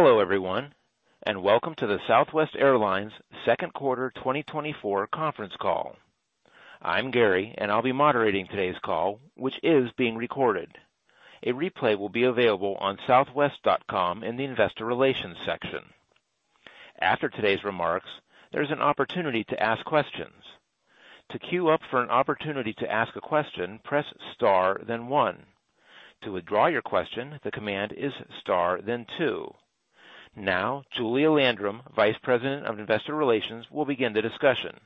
Hello, everyone, and welcome to the Southwest Airlines second quarter 2024 conference call. I'm Gary, and I'll be moderating today's call, which is being recorded. A replay will be available on southwest.com in the investor relations section. After today's remarks, there's an opportunity to ask questions. To queue up for an opportunity to ask a question, press star, then one. To withdraw your question, the command is star, then two. Now, Julia Landrum, Vice President of Investor Relations, will begin the discussion.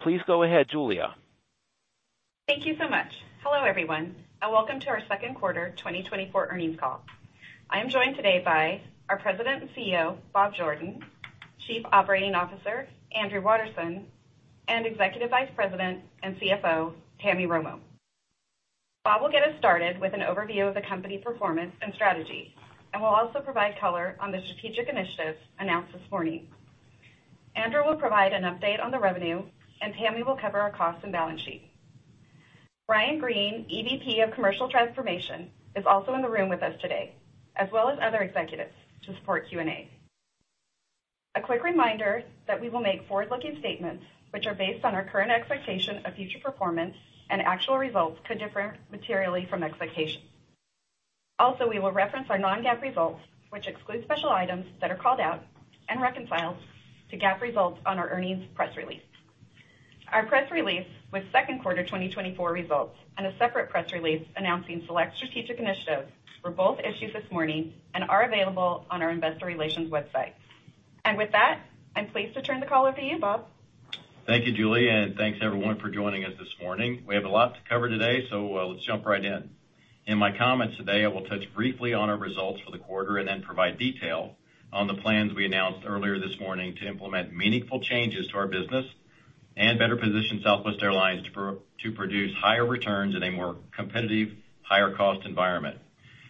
Please go ahead, Julia. Thank you so much. Hello, everyone, and welcome to our second quarter 2024 earnings call. I am joined today by our President and CEO, Bob Jordan, Chief Operating Officer, Andrew Watterson, and Executive Vice President and CFO, Tammy Romo. Bob will get us started with an overview of the company's performance and strategy, and will also provide color on the strategic initiatives announced this morning. Andrew will provide an update on the revenue, and Tammy will cover our costs and balance sheet. Ryan Green, EVP of Commercial Transformation, is also in the room with us today, as well as other executives to support Q&A. A quick reminder that we will make forward-looking statements, which are based on our current expectation of future performance, and actual results could differ materially from expectations. Also, we will reference our non-GAAP results, which exclude special items that are called out and reconciled to GAAP results on our earnings press release. Our press release with second quarter 2024 results and a separate press release announcing select strategic initiatives were both issued this morning and are available on our investor relations website. With that, I'm pleased to turn the call over to you, Bob. Thank you, Julia, and thanks, everyone, for joining us this morning. We have a lot to cover today, so let's jump right in. In my comments today, I will touch briefly on our results for the quarter and then provide detail on the plans we announced earlier this morning to implement meaningful changes to our business and better position Southwest Airlines to produce higher returns in a more competitive, higher-cost environment.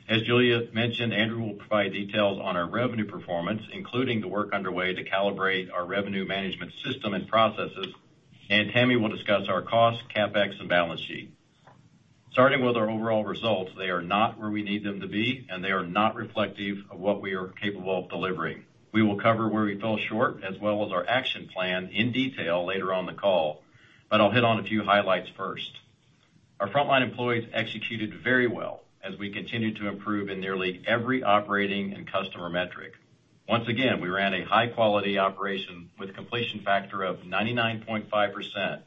As Julia mentioned, Andrew will provide details on our revenue performance, including the work underway to calibrate our revenue management system and processes, and Tammy will discuss our costs, CapEx, and balance sheet. Starting with our overall results, they are not where we need them to be, and they are not reflective of what we are capable of delivering. We will cover where we fell short, as well as our action plan in detail later on the call, but I'll hit on a few highlights first. Our frontline employees executed very well as we continued to improve in nearly every operating and customer metric. Once again, we ran a high-quality operation with a completion factor of 99.5%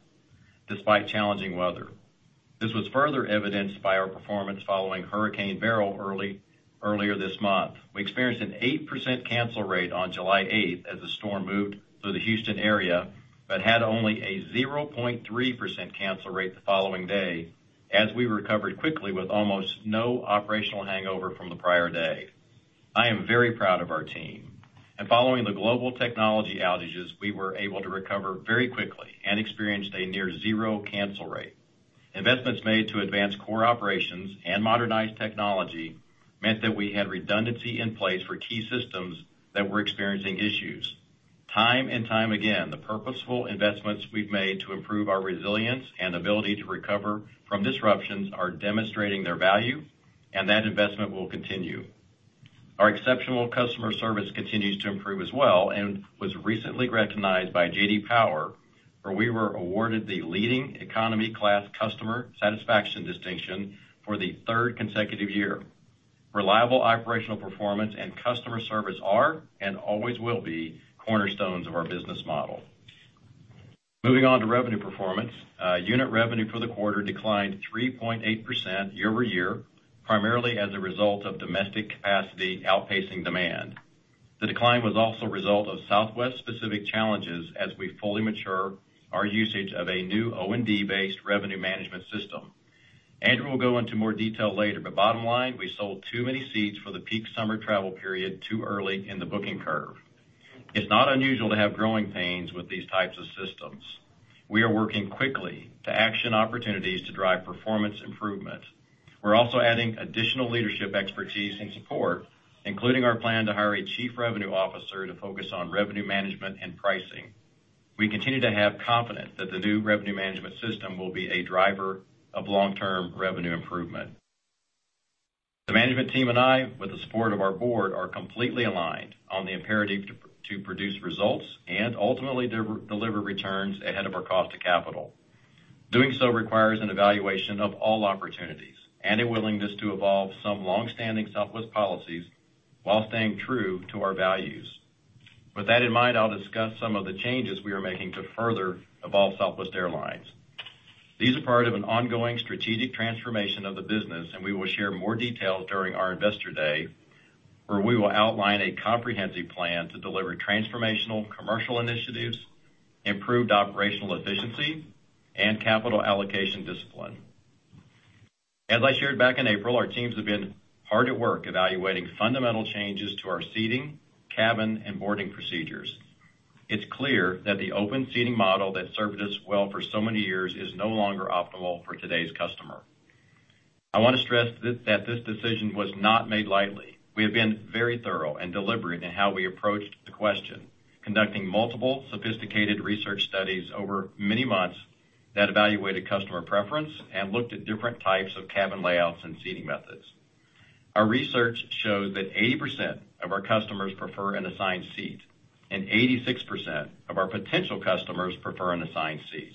despite challenging weather. This was further evidenced by our performance following Hurricane Beryl earlier this month. We experienced an 8% cancel rate on July 8th as the storm moved through the Houston area, but had only a 0.3% cancel rate the following day, as we recovered quickly with almost no operational hangover from the prior day. I am very proud of our team. Following the global technology outages, we were able to recover very quickly and experienced a near-zero cancel rate. Investments made to advance core operations and modernize technology meant that we had redundancy in place for key systems that were experiencing issues. Time and time again, the purposeful investments we've made to improve our resilience and ability to recover from disruptions are demonstrating their value, and that investment will continue. Our exceptional customer service continues to improve as well and was recently recognized by J.D. Power, where we were awarded the leading economy-class customer satisfaction distinction for the third consecutive year. Reliable operational performance and customer service are, and always will be, cornerstones of our business model. Moving on to revenue performance, unit revenue for the quarter declined 3.8% year-over-year, primarily as a result of domestic capacity outpacing demand. The decline was also a result of Southwest-specific challenges as we fully mature our usage of a new O&D-based revenue management system. Andrew will go into more detail later, but bottom line, we sold too many seats for the peak summer travel period too early in the booking curve. It's not unusual to have growing pains with these types of systems. We are working quickly to action opportunities to drive performance improvement. We're also adding additional leadership expertise and support, including our plan to hire a Chief Revenue Officer to focus on revenue management and pricing. We continue to have confidence that the new revenue management system will be a driver of long-term revenue improvement. The management team and I, with the support of our board, are completely aligned on the imperative to produce results and ultimately deliver returns ahead of our cost of capital. Doing so requires an evaluation of all opportunities and a willingness to evolve some long-standing Southwest policies while staying true to our values. With that in mind, I'll discuss some of the changes we are making to further evolve Southwest Airlines. These are part of an ongoing strategic transformation of the business, and we will share more details during our investor day, where we will outline a comprehensive plan to deliver transformational commercial initiatives, improved operational efficiency, and capital allocation discipline. As I shared back in April, our teams have been hard at work evaluating fundamental changes to our seating, cabin, and boarding procedures. It's clear that the open seating model that served us well for so many years is no longer optimal for today's customer. I want to stress that this decision was not made lightly. We have been very thorough and deliberate in how we approached the question, conducting multiple sophisticated research studies over many months that evaluated customer preference and looked at different types of cabin layouts and seating methods. Our research shows that 80% of our customers prefer an assigned seat, and 86% of our potential customers prefer an assigned seat.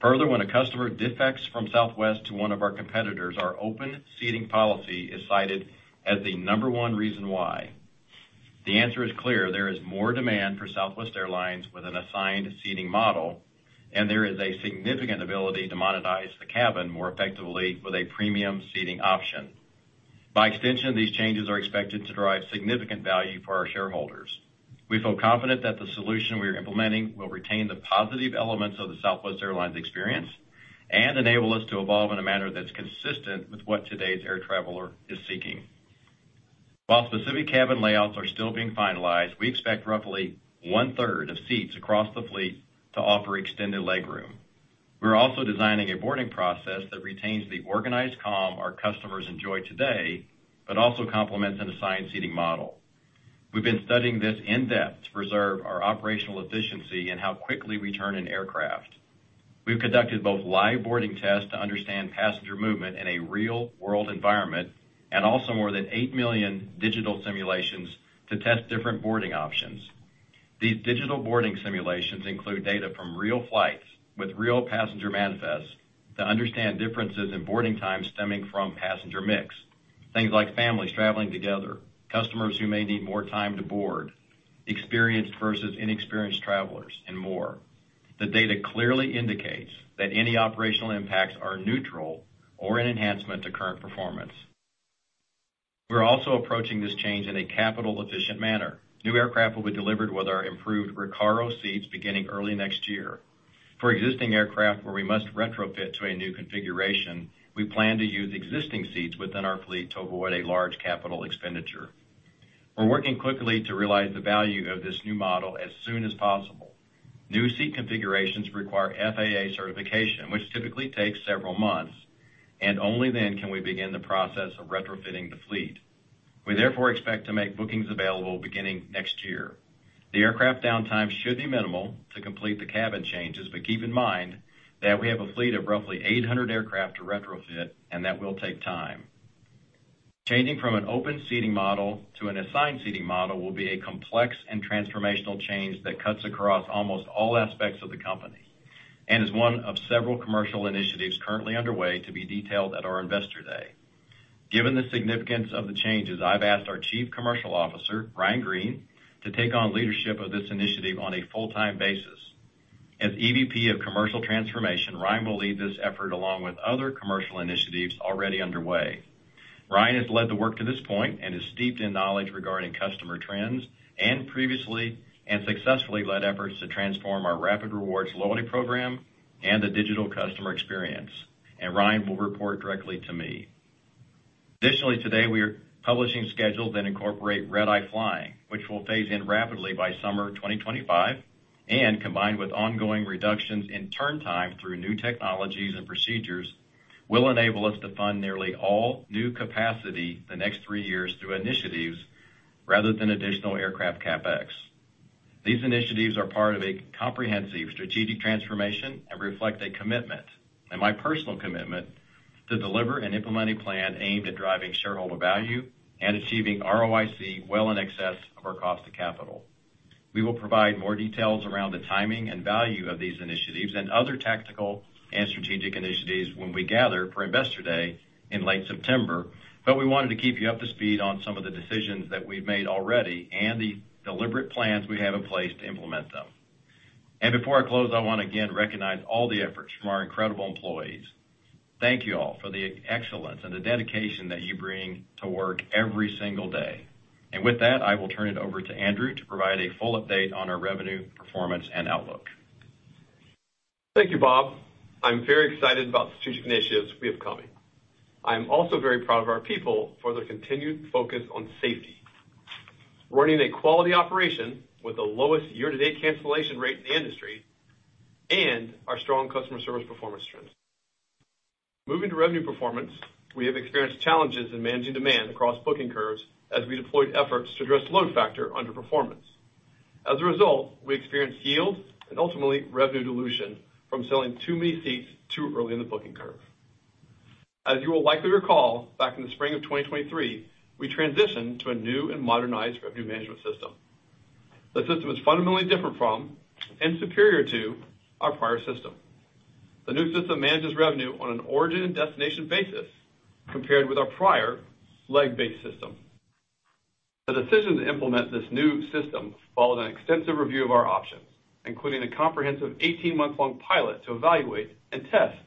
Further, when a customer defects from Southwest to one of our competitors, our open seating policy is cited as the number one reason why. The answer is clear. There is more demand for Southwest Airlines with an assigned seating model, and there is a significant ability to monetize the cabin more effectively with a premium seating option. By extension, these changes are expected to drive significant value for our shareholders. We feel confident that the solution we are implementing will retain the positive elements of the Southwest Airlines experience and enable us to evolve in a manner that's consistent with what today's air traveler is seeking. While specific cabin layouts are still being finalized, we expect roughly one-third of seats across the fleet to offer extended legroom. We're also designing a boarding process that retains the organized calm our customers enjoy today, but also complements an assigned seating model. We've been studying this in depth to preserve our operational efficiency and how quickly we turn an aircraft. We've conducted both live boarding tests to understand passenger movement in a real-world environment and also more than 8 million digital simulations to test different boarding options. These digital boarding simulations include data from real flights with real passenger manifests to understand differences in boarding times stemming from passenger mix, things like families traveling together, customers who may need more time to board, experienced versus inexperienced travelers, and more. The data clearly indicates that any operational impacts are neutral or an enhancement to current performance. We're also approaching this change in a capital-efficient manner. New aircraft will be delivered with our improved Recaro seats beginning early next year. For existing aircraft where we must retrofit to a new configuration, we plan to use existing seats within our fleet to avoid a large capital expenditure. We're working quickly to realize the value of this new model as soon as possible. New seat configurations require FAA certification, which typically takes several months, and only then can we begin the process of retrofitting the fleet. We therefore expect to make bookings available beginning next year. The aircraft downtime should be minimal to complete the cabin changes, but keep in mind that we have a fleet of roughly 800 aircraft to retrofit, and that will take time. Changing from an open seating model to an assigned seating model will be a complex and transformational change that cuts across almost all aspects of the company and is one of several commercial initiatives currently underway to be detailed at our Investor Day. Given the significance of the changes, I've asked our Chief Commercial Officer, Ryan Green, to take on leadership of this initiative on a full-time basis. As EVP of Commercial Transformation, Ryan will lead this effort along with other commercial initiatives already underway. Ryan has led the work to this point and is steeped in knowledge regarding customer trends and previously and successfully led efforts to transform our Rapid Rewards loyalty program and the digital customer experience, and Ryan will report directly to me. Additionally, today we are publishing schedules that incorporate red-eye flying, which will phase in rapidly by summer 2025, and combined with ongoing reductions in turn time through new technologies and procedures will enable us to fund nearly all new capacity the next three years through initiatives rather than additional aircraft CapEx. These initiatives are part of a comprehensive strategic transformation and reflect a commitment, and my personal commitment, to deliver and implement a plan aimed at driving shareholder value and achieving ROIC well in excess of our cost of capital. We will provide more details around the timing and value of these initiatives and other tactical and strategic initiatives when we gather for Investor Day in late September, but we wanted to keep you up to speed on some of the decisions that we've made already and the deliberate plans we have in place to implement them. Before I close, I want to again recognize all the efforts from our incredible employees. Thank you all for the excellence and the dedication that you bring to work every single day. With that, I will turn it over to Andrew to provide a full update on our revenue, performance, and outlook. Thank you, Bob. I'm very excited about the strategic initiatives we have coming. I'm also very proud of our people for their continued focus on safety, running a quality operation with the lowest year-to-date cancellation rate in the industry, and our strong customer service performance strength. Moving to revenue performance, we have experienced challenges in managing demand across booking curves as we deployed efforts to address the load factor underperformance. As a result, we experienced yield and ultimately revenue dilution from selling too many seats too early in the booking curve. As you will likely recall, back in the spring of 2023, we transitioned to a new and modernized revenue management system. The system is fundamentally different from and superior to our prior system. The new system manages revenue on an origin and destination basis compared with our prior leg-based system. The decision to implement this new system followed an extensive review of our options, including a comprehensive 18-month-long pilot to evaluate and test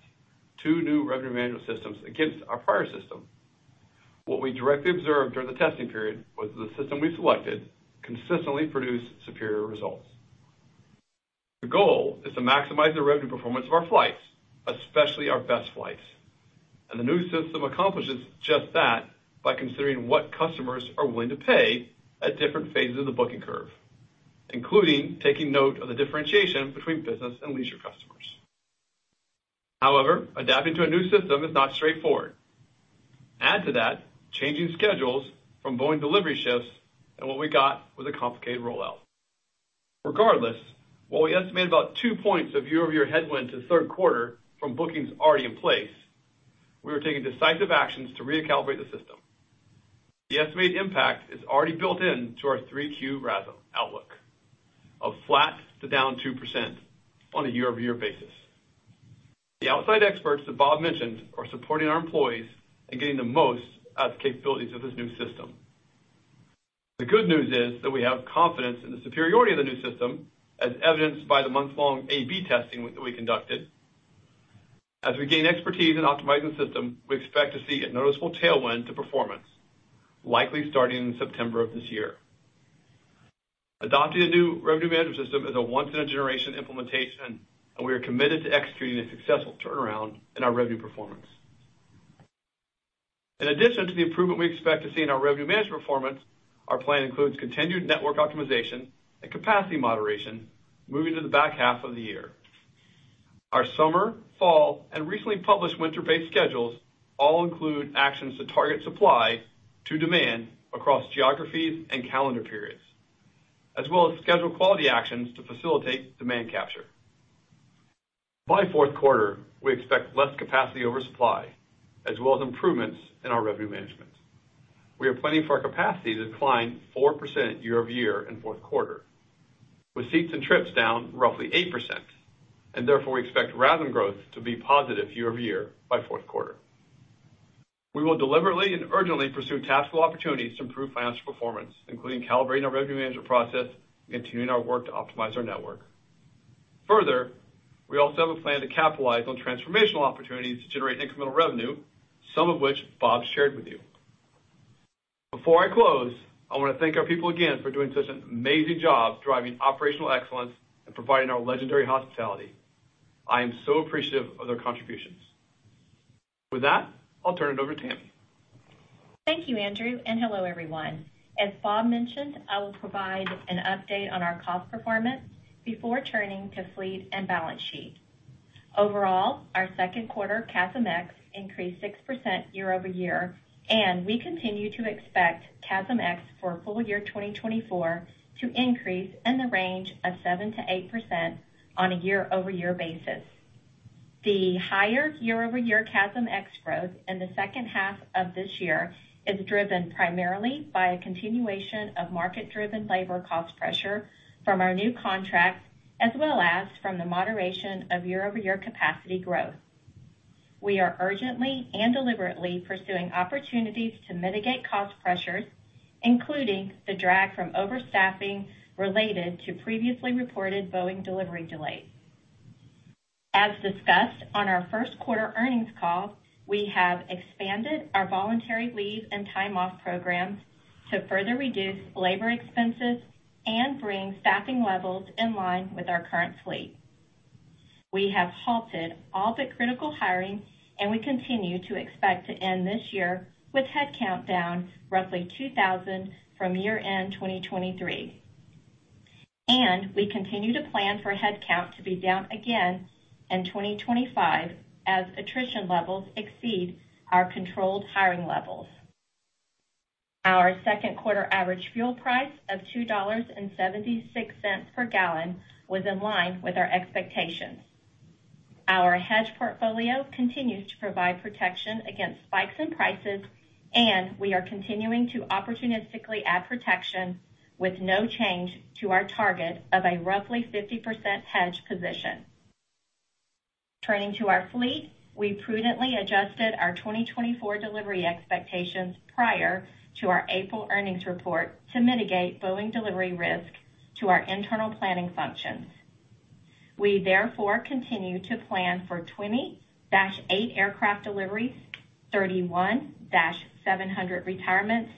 two new revenue management systems against our prior system. What we directly observed during the testing period was that the system we selected consistently produced superior results. The goal is to maximize the revenue performance of our flights, especially our best flights. The new system accomplishes just that by considering what customers are willing to pay at different phases of the booking curve, including taking note of the differentiation between business and leisure customers. However, adapting to a new system is not straightforward. Add to that changing schedules from Boeing delivery shifts, and what we got was a complicated rollout. Regardless, while we estimate about two points of year-over-year headwind to third quarter from bookings already in place, we are taking decisive actions to recalibrate the system. The estimated impact is already built into our 3Q RASM outlook of flat to down 2% on a year-over-year basis. The outside experts that Bob mentioned are supporting our employees and getting the most out of the capabilities of this new system. The good news is that we have confidence in the superiority of the new system, as evidenced by the month-long A/B testing that we conducted. As we gain expertise in optimizing the system, we expect to see a noticeable tailwind to performance, likely starting in September of this year. Adopting a new revenue management system is a once-in-a-generation implementation, and we are committed to executing a successful turnaround in our revenue performance. In addition to the improvement we expect to see in our revenue management performance, our plan includes continued network optimization and capacity moderation moving to the back half of the year. Our summer, fall, and recently published winter-based schedules all include actions to target supply to demand across geographies and calendar periods, as well as schedule quality actions to facilitate demand capture. By fourth quarter, we expect less capacity oversupply, as well as improvements in our revenue management. We are planning for our capacity to decline 4% year-over-year in fourth quarter, with seats and trips down roughly 8%, and therefore we expect RASM growth to be positive year-over-year by fourth quarter. We will deliberately and urgently pursue tactical opportunities to improve financial performance, including calibrating our revenue management process and continuing our work to optimize our network. Further, we also have a plan to capitalize on transformational opportunities to generate incremental revenue, some of which Bob shared with you. Before I close, I want to thank our people again for doing such an amazing job driving operational excellence and providing our legendary hospitality. I am so appreciative of their contributions. With that, I'll turn it over to Tammy. Thank you, Andrew, and hello, everyone. As Bob mentioned, I will provide an update on our cost performance before turning to fleet and balance sheet. Overall, our second quarter CASM-X increased 6% year over year, and we continue to expect CASM-X for full year 2024 to increase in the range of 7%-8% on a year-over-year basis. The higher year-over-year CASM-X growth in the second half of this year is driven primarily by a continuation of market-driven labor cost pressure from our new contracts, as well as from the moderation of year-over-year capacity growth. We are urgently and deliberately pursuing opportunities to mitigate cost pressures, including the drag from overstaffing related to previously reported Boeing delivery delays. As discussed on our first quarter earnings call, we have expanded our voluntary leave and time-off programs to further reduce labor expenses and bring staffing levels in line with our current fleet. We have halted all but critical hiring, and we continue to expect to end this year with headcount down roughly 2,000 from year-end 2023. We continue to plan for headcount to be down again in 2025 as attrition levels exceed our controlled hiring levels. Our second quarter average fuel price of $2.76 per gallon was in line with our expectations. Our hedge portfolio continues to provide protection against spikes in prices, and we are continuing to opportunistically add protection with no change to our target of a roughly 50% hedge position. Turning to our fleet, we prudently adjusted our 2024 delivery expectations prior to our April earnings report to mitigate Boeing delivery risk to our internal planning functions. We therefore continue to plan for 20 737-8 aircraft deliveries, 31 737-700 retirements,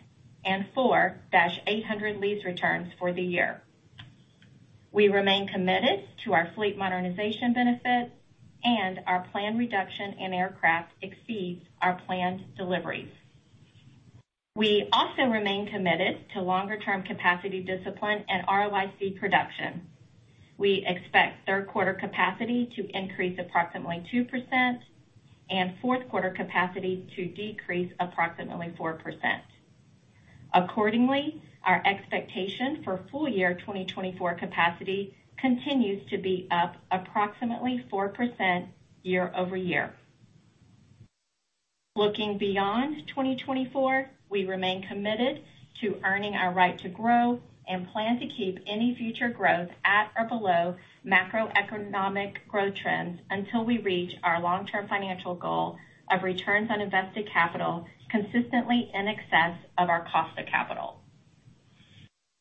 and 4 737-800 lease returns for the year. We remain committed to our fleet modernization benefits, and our planned reduction in aircraft exceeds our planned deliveries. We also remain committed to longer-term capacity discipline and ROIC production. We expect third quarter capacity to increase approximately 2% and fourth quarter capacity to decrease approximately 4%. Accordingly, our expectation for full year 2024 capacity continues to be up approximately 4% year-over-year. Looking beyond 2024, we remain committed to earning our right to grow and plan to keep any future growth at or below macroeconomic growth trends until we reach our long-term financial goal of returns on invested capital consistently in excess of our cost of capital.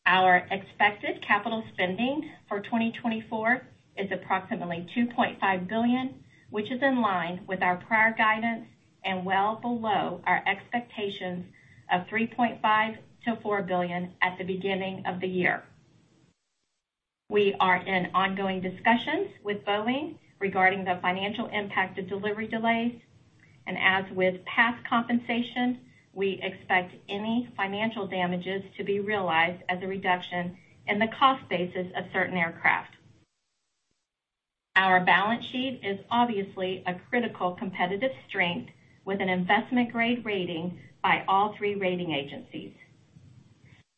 Our expected capital spending for 2024 is approximately $2.5 billion, which is in line with our prior guidance and well below our expectations of $3.5 billion-$4 billion at the beginning of the year. We are in ongoing discussions with Boeing regarding the financial impact of delivery delays, and as with past compensation, we expect any financial damages to be realized as a reduction in the cost basis of certain aircraft. Our balance sheet is obviously a critical competitive strength with an investment-grade rating by all three rating agencies.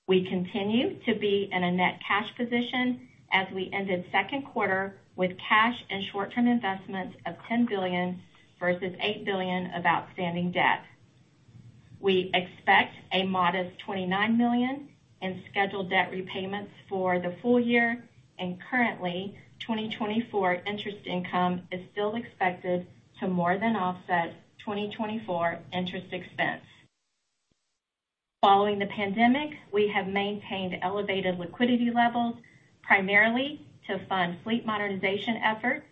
We continue to be in a net cash position as we ended second quarter with cash and short-term investments of $10 billion versus $8 billion of outstanding debt. We expect a modest $29 million in scheduled debt repayments for the full year, and currently, 2024 interest income is still expected to more than offset 2024 interest expense. Following the pandemic, we have maintained elevated liquidity levels primarily to fund fleet modernization efforts,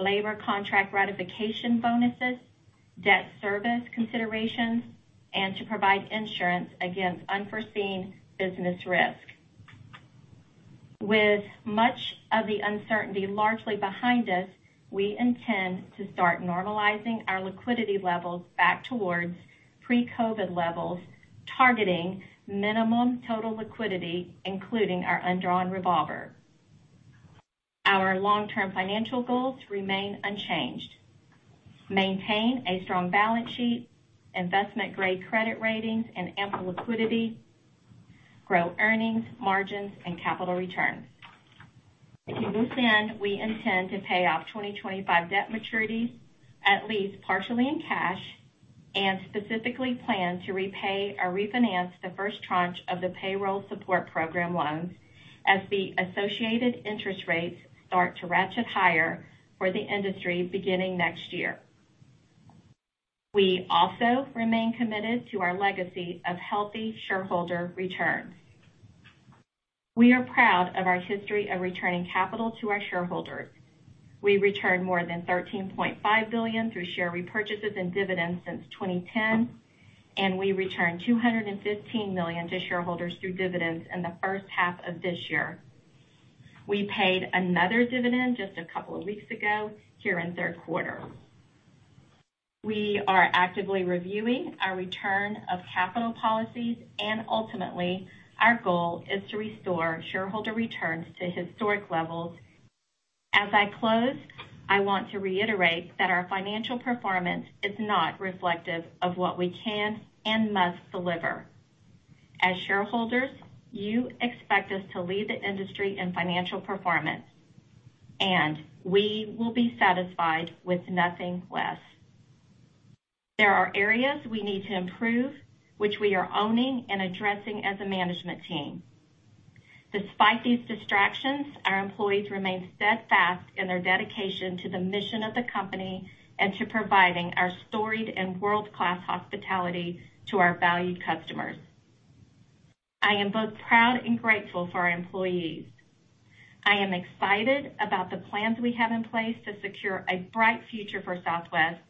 labor contract ratification bonuses, debt service considerations, and to provide insurance against unforeseen business risk. With much of the uncertainty largely behind us, we intend to start normalizing our liquidity levels back towards pre-COVID levels, targeting minimum total liquidity, including our undrawn revolver. Our long-term financial goals remain unchanged. Maintain a strong balance sheet, investment-grade credit ratings, and ample liquidity, grow earnings, margins, and capital returns. To move in, we intend to pay off 2025 debt maturities at least partially in cash and specifically plan to repay or refinance the first tranche of the Payroll Support Program loans as the associated interest rates start to ratchet higher for the industry beginning next year. We also remain committed to our legacy of healthy shareholder returns. We are proud of our history of returning capital to our shareholders. We returned more than $13.5 billion through share repurchases and dividends since 2010, and we returned $215 million to shareholders through dividends in the first half of this year. We paid another dividend just a couple of weeks ago here in third quarter. We are actively reviewing our return of capital policies, and ultimately, our goal is to restore shareholder returns to historic levels. As I close, I want to reiterate that our financial performance is not reflective of what we can and must deliver. As shareholders, you expect us to lead the industry in financial performance, and we will be satisfied with nothing less. There are areas we need to improve, which we are owning and addressing as a management team. Despite these distractions, our employees remain steadfast in their dedication to the mission of the company and to providing our storied and world-class hospitality to our valued customers. I am both proud and grateful for our employees. I am excited about the plans we have in place to secure a bright future for Southwest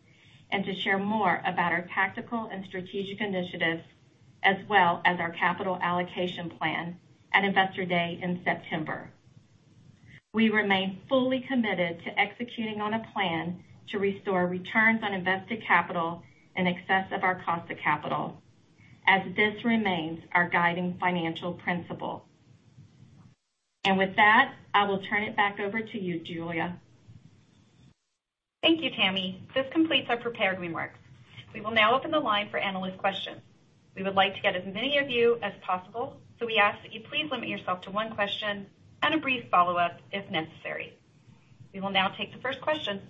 and to share more about our tactical and strategic initiatives, as well as our capital allocation plan at Investor Day in September. We remain fully committed to executing on a plan to restore returns on invested capital in excess of our cost of capital, as this remains our guiding financial principle. With that, I will turn it back over to you, Julia. Thank you, Tammy. This completes our prepared remarks. We will now open the line for analyst questions. We would like to get as many of you as possible, so we ask that you please limit yourself to one question and a brief follow-up if necessary. We will now take the first question.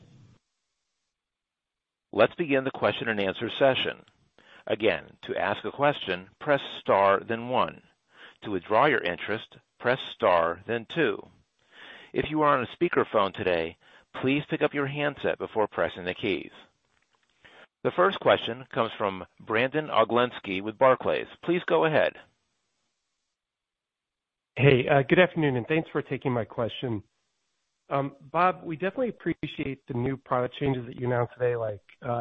Let's begin the question and answer session. Again, to ask a question, press star, then one. To withdraw your interest, press star, then two. If you are on a speakerphone today, please pick up your handset before pressing the keys. The first question comes from Brandon Oglensky with Barclays. Please go ahead. Hey, good afternoon, and thanks for taking my question. Bob, we definitely appreciate the new product changes that you announced today, like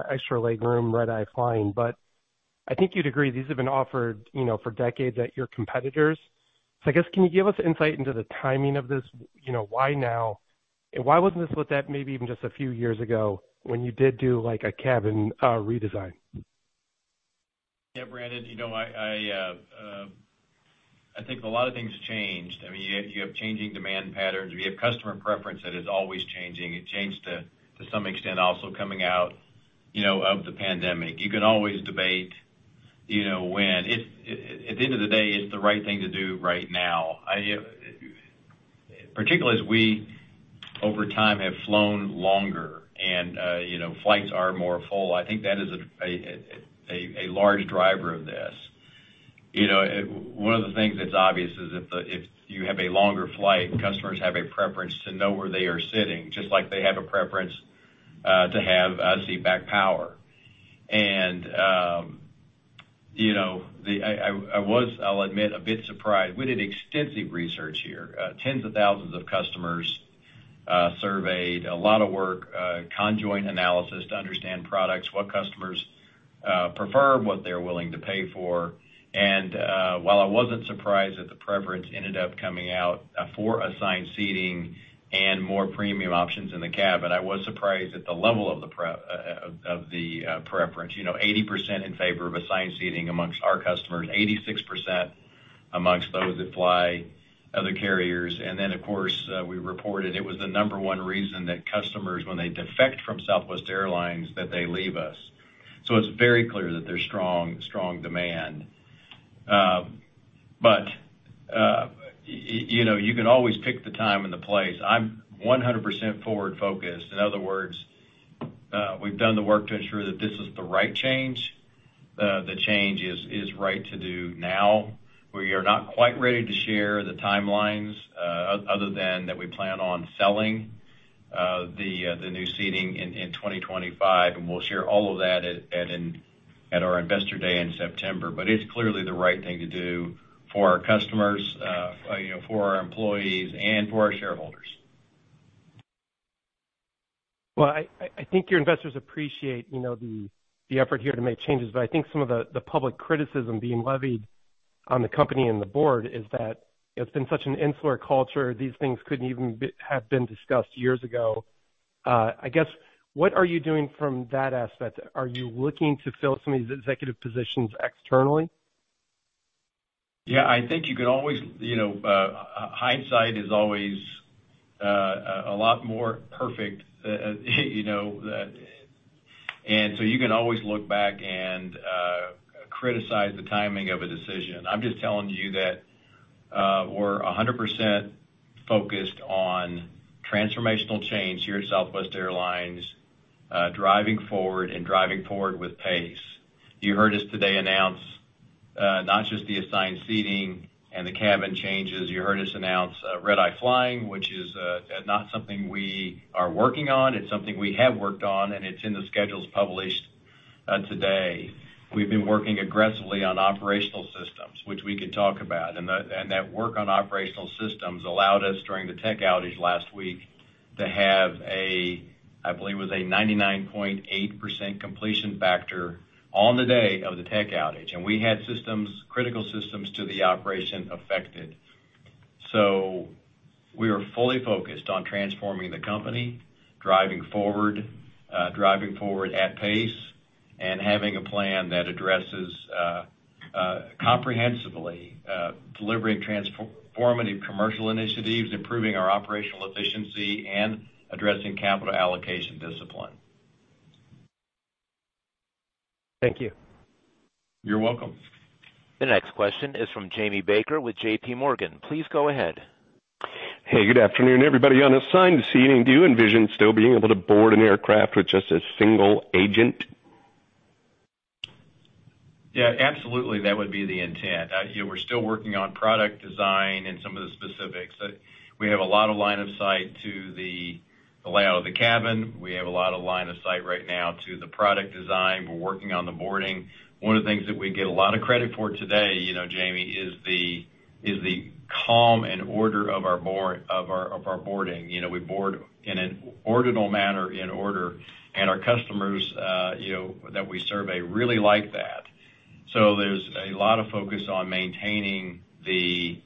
extra legroom, red-eye flying, but I think you'd agree these have been offered for decades at your competitors. So I guess, can you give us insight into the timing of this? Why now? And why wasn't this what that maybe even just a few years ago when you did do a cabin redesign? Yeah, Brandon, I think a lot of things changed. I mean, you have changing demand patterns. We have customer preference that is always changing. It changed to some extent also coming out of the pandemic. You can always debate when. At the end of the day, it's the right thing to do right now, particularly as we over time have flown longer and flights are more full. I think that is a large driver of this. One of the things that's obvious is if you have a longer flight, customers have a preference to know where they are sitting, just like they have a preference to have seatback power. And I was, I'll admit, a bit surprised. We did extensive research here. Tens of thousands of customers surveyed, a lot of work, conjoint analysis to understand products, what customers prefer, what they're willing to pay for. While I wasn't surprised that the preference ended up coming out for assigned seating and more premium options in the cabin, I was surprised at the level of the preference. 80% in favor of assigned seating amongst our customers, 86% amongst those that fly other carriers. Then, of course, we reported it was the number one reason that customers, when they defect from Southwest Airlines, that they leave us. So it's very clear that there's strong demand. But you can always pick the time and the place. I'm 100% forward-focused. In other words, we've done the work to ensure that this is the right change. The change is right to do now. We are not quite ready to share the timelines other than that we plan on selling the new seating in 2025, and we'll share all of that at our Investor Day in September. But it's clearly the right thing to do for our customers, for our employees, and for our shareholders. Well, I think your investors appreciate the effort here to make changes, but I think some of the public criticism being levied on the company and the board is that it's been such an insular culture. These things couldn't even have been discussed years ago. I guess, what are you doing from that aspect? Are you looking to fill some of these executive positions externally? Yeah, I think you can always hindsight is always a lot more perfect. And so you can always look back and criticize the timing of a decision. I'm just telling you that we're 100% focused on transformational change here at Southwest Airlines, driving forward and driving forward with pace. You heard us today announce not just the assigned seating and the cabin changes. You heard us announce red-eye flying, which is not something we are working on. It's something we have worked on, and it's in the schedules published today. We've been working aggressively on operational systems, which we could talk about. And that work on operational systems allowed us during the tech outage last week to have a, I believe it was a 99.8% completion factor on the day of the tech outage. And we had critical systems to the operation affected. We are fully focused on transforming the company, driving forward, driving forward at pace, and having a plan that addresses comprehensively delivering transformative commercial initiatives, improving our operational efficiency, and addressing capital allocation discipline. Thank you. You're welcome. The next question is from Jamie Baker with J.P. Morgan. Please go ahead. Hey, good afternoon, everybody. On assigned seating, do you envision still being able to board an aircraft with just a single agent? Yeah, absolutely. That would be the intent. We're still working on product design and some of the specifics. We have a lot of line of sight to the layout of the cabin. We have a lot of line of sight right now to the product design. We're working on the boarding. One of the things that we get a lot of credit for today, Jamie, is the calm and order of our boarding. We board in an ordinal manner in order, and our customers that we survey really like that. So there's a lot of focus on maintaining the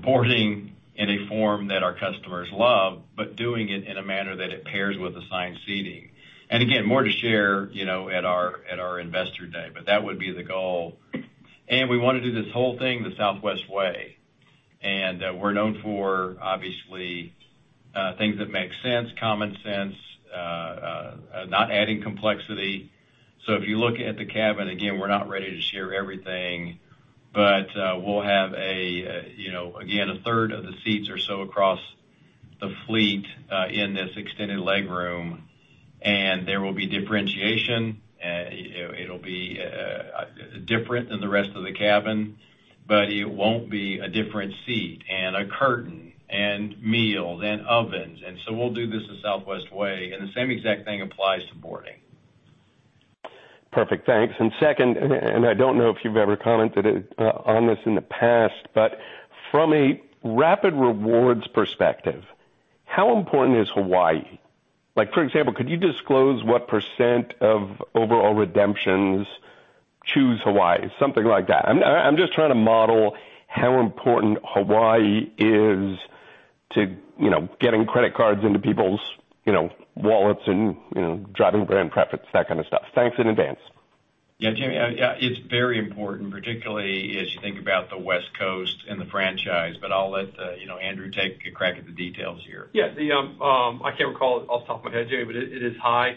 boarding in a form that our customers love, but doing it in a manner that it pairs with assigned seating. And again, more to share at our Investor Day, but that would be the goal. And we want to do this whole thing the Southwest way. We're known for, obviously, things that make sense, common sense, not adding complexity. So if you look at the cabin, again, we're not ready to share everything, but we'll have a, again, a third of the seats or so across the fleet in this extended legroom, and there will be differentiation. It'll be different than the rest of the cabin, but it won't be a different seat and a curtain and meals and ovens. So we'll do this the Southwest way. The same exact thing applies to boarding. Perfect. Thanks. Second, and I don't know if you've ever commented on this in the past, but from a Rapid Rewards perspective, how important is Hawaii? For example, could you disclose what % of overall redemptions choose Hawaii? Something like that. I'm just trying to model how important Hawaii is to getting credit cards into people's wallets and driving brand profits, that kind of stuff. Thanks in advance. Yeah, Jamie, it's very important, particularly as you think about the West Coast and the franchise, but I'll let Andrew take a crack at the details here. Yeah, I can't recall off the top of my head, Jamie, but it is high.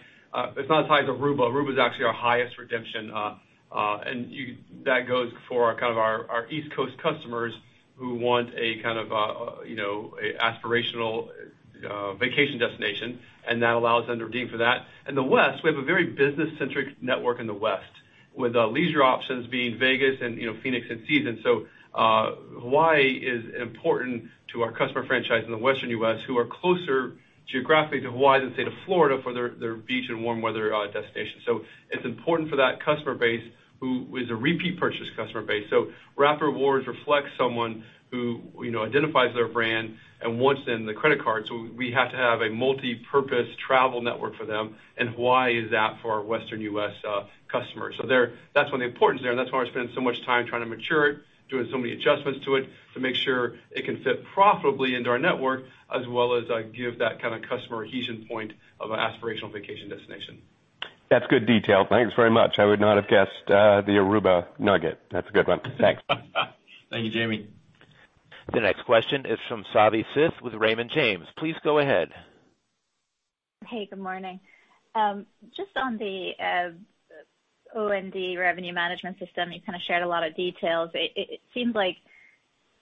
It's not as high as Aruba. Aruba is actually our highest redemption. And that goes for kind of our East Coast customers who want a kind of aspirational vacation destination, and that allows them to redeem for that. And the West, we have a very business-centric network in the West, with leisure options being Vegas and Phoenix in season. So Hawaii is important to our customer franchise in the Western US who are closer geographically to Hawaii than say to Florida for their beach and warm weather destination. So it's important for that customer base who is a repeat purchase customer base. So Rapid Rewards reflects someone who identifies their brand and wants them the credit card. So we have to have a multi-purpose travel network for them. Hawaii is that for our Western U.S. customers. That's one of the importance there. That's why we're spending so much time trying to mature it, doing so many adjustments to it to make sure it can fit profitably into our network, as well as give that kind of customer adhesion point of an aspirational vacation destination. That's good detail. Thanks very much. I would not have guessed the Aruba nugget. That's a good one. Thanks. Thank you, Jamie. The next question is from Savanthi Syth with Raymond James. Please go ahead. Hey, good morning. Just on the O&D revenue management system, you kind of shared a lot of details. It seems like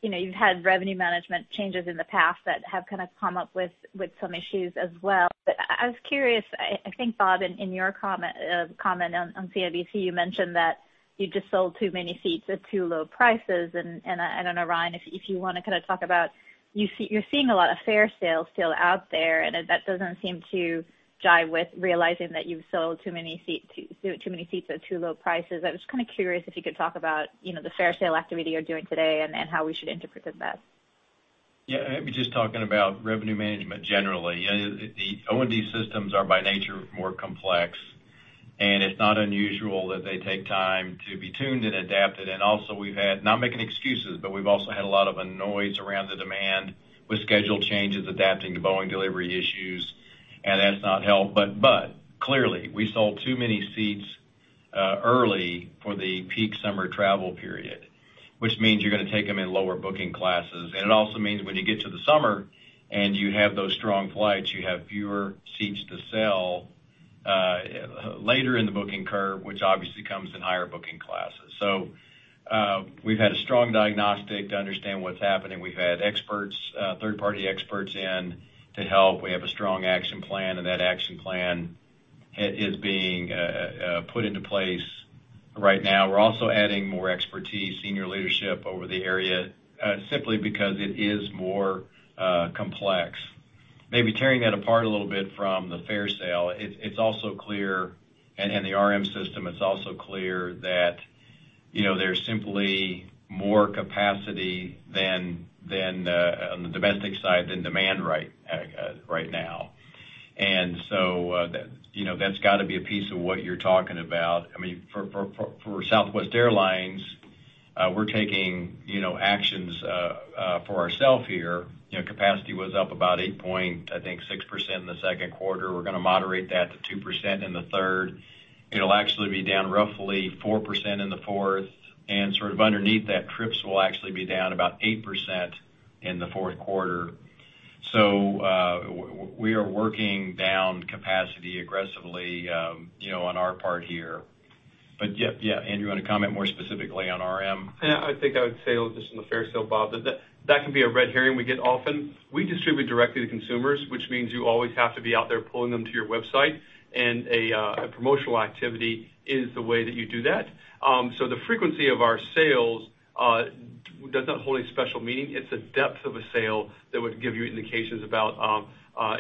you've had revenue management changes in the past that have kind of come up with some issues as well. But I was curious, I think, Bob, in your comment on CIBC, you mentioned that you just sold too many seats at too low prices. And I don't know, Ryan, if you want to kind of talk about you're seeing a lot of fare sales still out there, and that doesn't seem to jive with realizing that you've sold too many seats at too low prices. I was kind of curious if you could talk about the fare sale activity you're doing today and how we should interpret that. Yeah, I mean, just talking about revenue management generally, O&D systems are by nature more complex, and it's not unusual that they take time to be tuned and adapted. And also, we've had, not making excuses, but we've also had a lot of noise around the demand with schedule changes, adapting to Boeing delivery issues, and that's not helped. But clearly, we sold too many seats early for the peak summer travel period, which means you're going to take them in lower booking classes. And it also means when you get to the summer and you have those strong flights, you have fewer seats to sell later in the booking curve, which obviously comes in higher booking classes. So we've had a strong diagnostic to understand what's happening. We've had third-party experts in to help. We have a strong action plan, and that action plan is being put into place right now. We're also adding more expertise, senior leadership over the area, simply because it is more complex. Maybe tearing that apart a little bit from the fare sale, it's also clear, and the RM system, it's also clear that there's simply more capacity on the domestic side than demand right now. And so that's got to be a piece of what you're talking about. I mean, for Southwest Airlines, we're taking actions for ourself here. Capacity was up about 8.6% in the second quarter. We're going to moderate that to 2% in the third. It'll actually be down roughly 4% in the fourth. And sort of underneath that, trips will actually be down about 8% in the fourth quarter. So we are working down capacity aggressively on our part here. But yeah, Andrew, you want to comment more specifically on RM? Yeah, I think I would say just on the fare sale, Bob, that that can be a red herring we get often. We distribute directly to consumers, which means you always have to be out there pulling them to your website, and a promotional activity is the way that you do that. So the frequency of our sales does not hold any special meaning. It's the depth of a sale that would give you indications about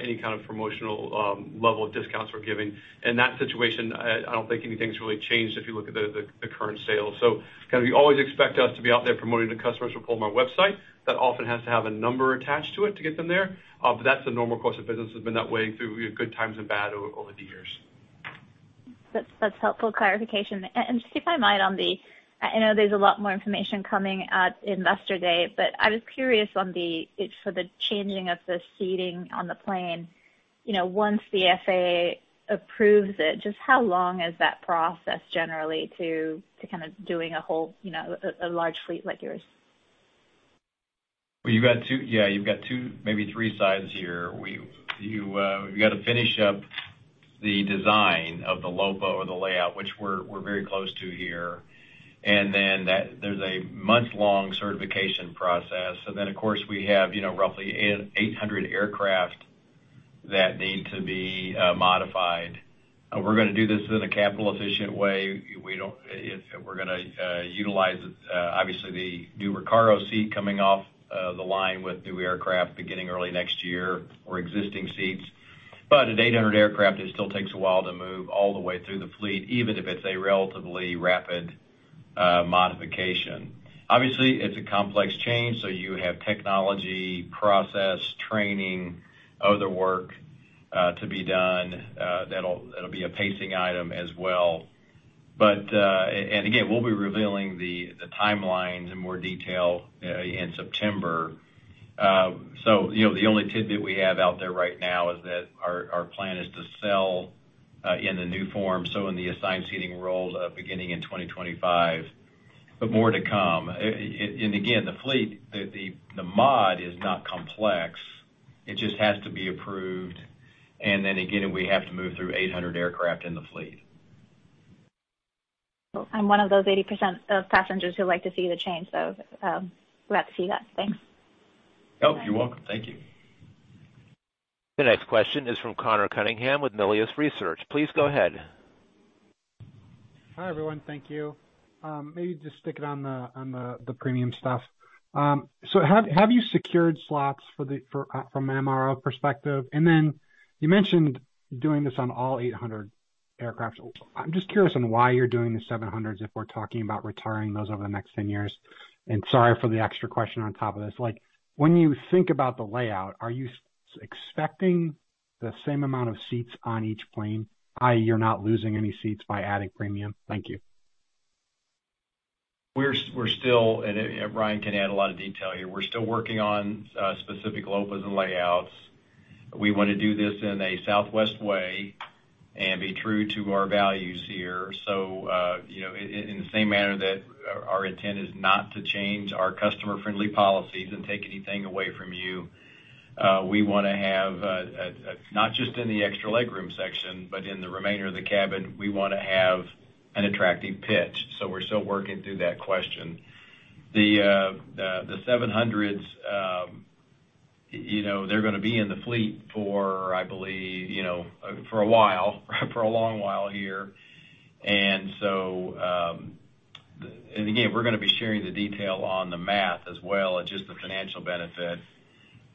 any kind of promotional level of discounts we're giving. In that situation, I don't think anything's really changed if you look at the current sales. So kind of you always expect us to be out there promoting to customers who pull on our website. That often has to have a number attached to it to get them there. But that's the normal course of business. It's been that way through good times and bad over the years. That's helpful clarification. And just keep my mind on the I know there's a lot more information coming at Investor Day, but I was curious for the changing of the seating on the plane. Once the FAA approves it, just how long is that process generally to kind of doing a large fleet like yours? Well, yeah, you've got two, maybe three sides here. You got to finish up the design of the LOPA or the layout, which we're very close to here. And then there's a month-long certification process. And then, of course, we have roughly 800 aircraft that need to be modified. We're going to do this in a capital-efficient way. We're going to utilize, obviously, the new Recaro seat coming off the line with new aircraft beginning early next year or existing seats. But at 800 aircraft, it still takes a while to move all the way through the fleet, even if it's a relatively rapid modification. Obviously, it's a complex change, so you have technology, process, training, other work to be done. That'll be a pacing item as well. And again, we'll be revealing the timelines in more detail in September. So the only tidbit we have out there right now is that our plan is to sell in the new form, so in the assigned seating rows beginning in 2025, but more to come. And again, the fleet, the mod is not complex. It just has to be approved. And then again, we have to move through 800 aircraft in the fleet. I'm one of those 80% of passengers who like to see the change, though. Glad to see that. Thanks. Oh, you're welcome. Thank you. The next question is from Conor Cunningham with Melius Research. Please go ahead. Hi, everyone. Thank you. Maybe just sticking on the premium stuff. So have you secured slots from an MRO perspective? And then you mentioned doing this on all 800 aircraft. I'm just curious on why you're doing the 700s if we're talking about retiring those over the next 10 years. And sorry for the extra question on top of this. When you think about the layout, are you expecting the same amount of seats on each plane, i.e., you're not losing any seats by adding premium? Thank you. We're still, and Ryan can add a lot of detail here. We're still working on specific LOPAs and layouts. We want to do this in a Southwest way and be true to our values here. So in the same manner that our intent is not to change our customer-friendly policies and take anything away from you, we want to have not just in the extra legroom section, but in the remainder of the cabin, we want to have an attractive pitch. So we're still working through that question. The 700s, they're going to be in the fleet for, I believe, for a while, for a long while here. And again, we're going to be sharing the detail on the math as well and just the financial benefit.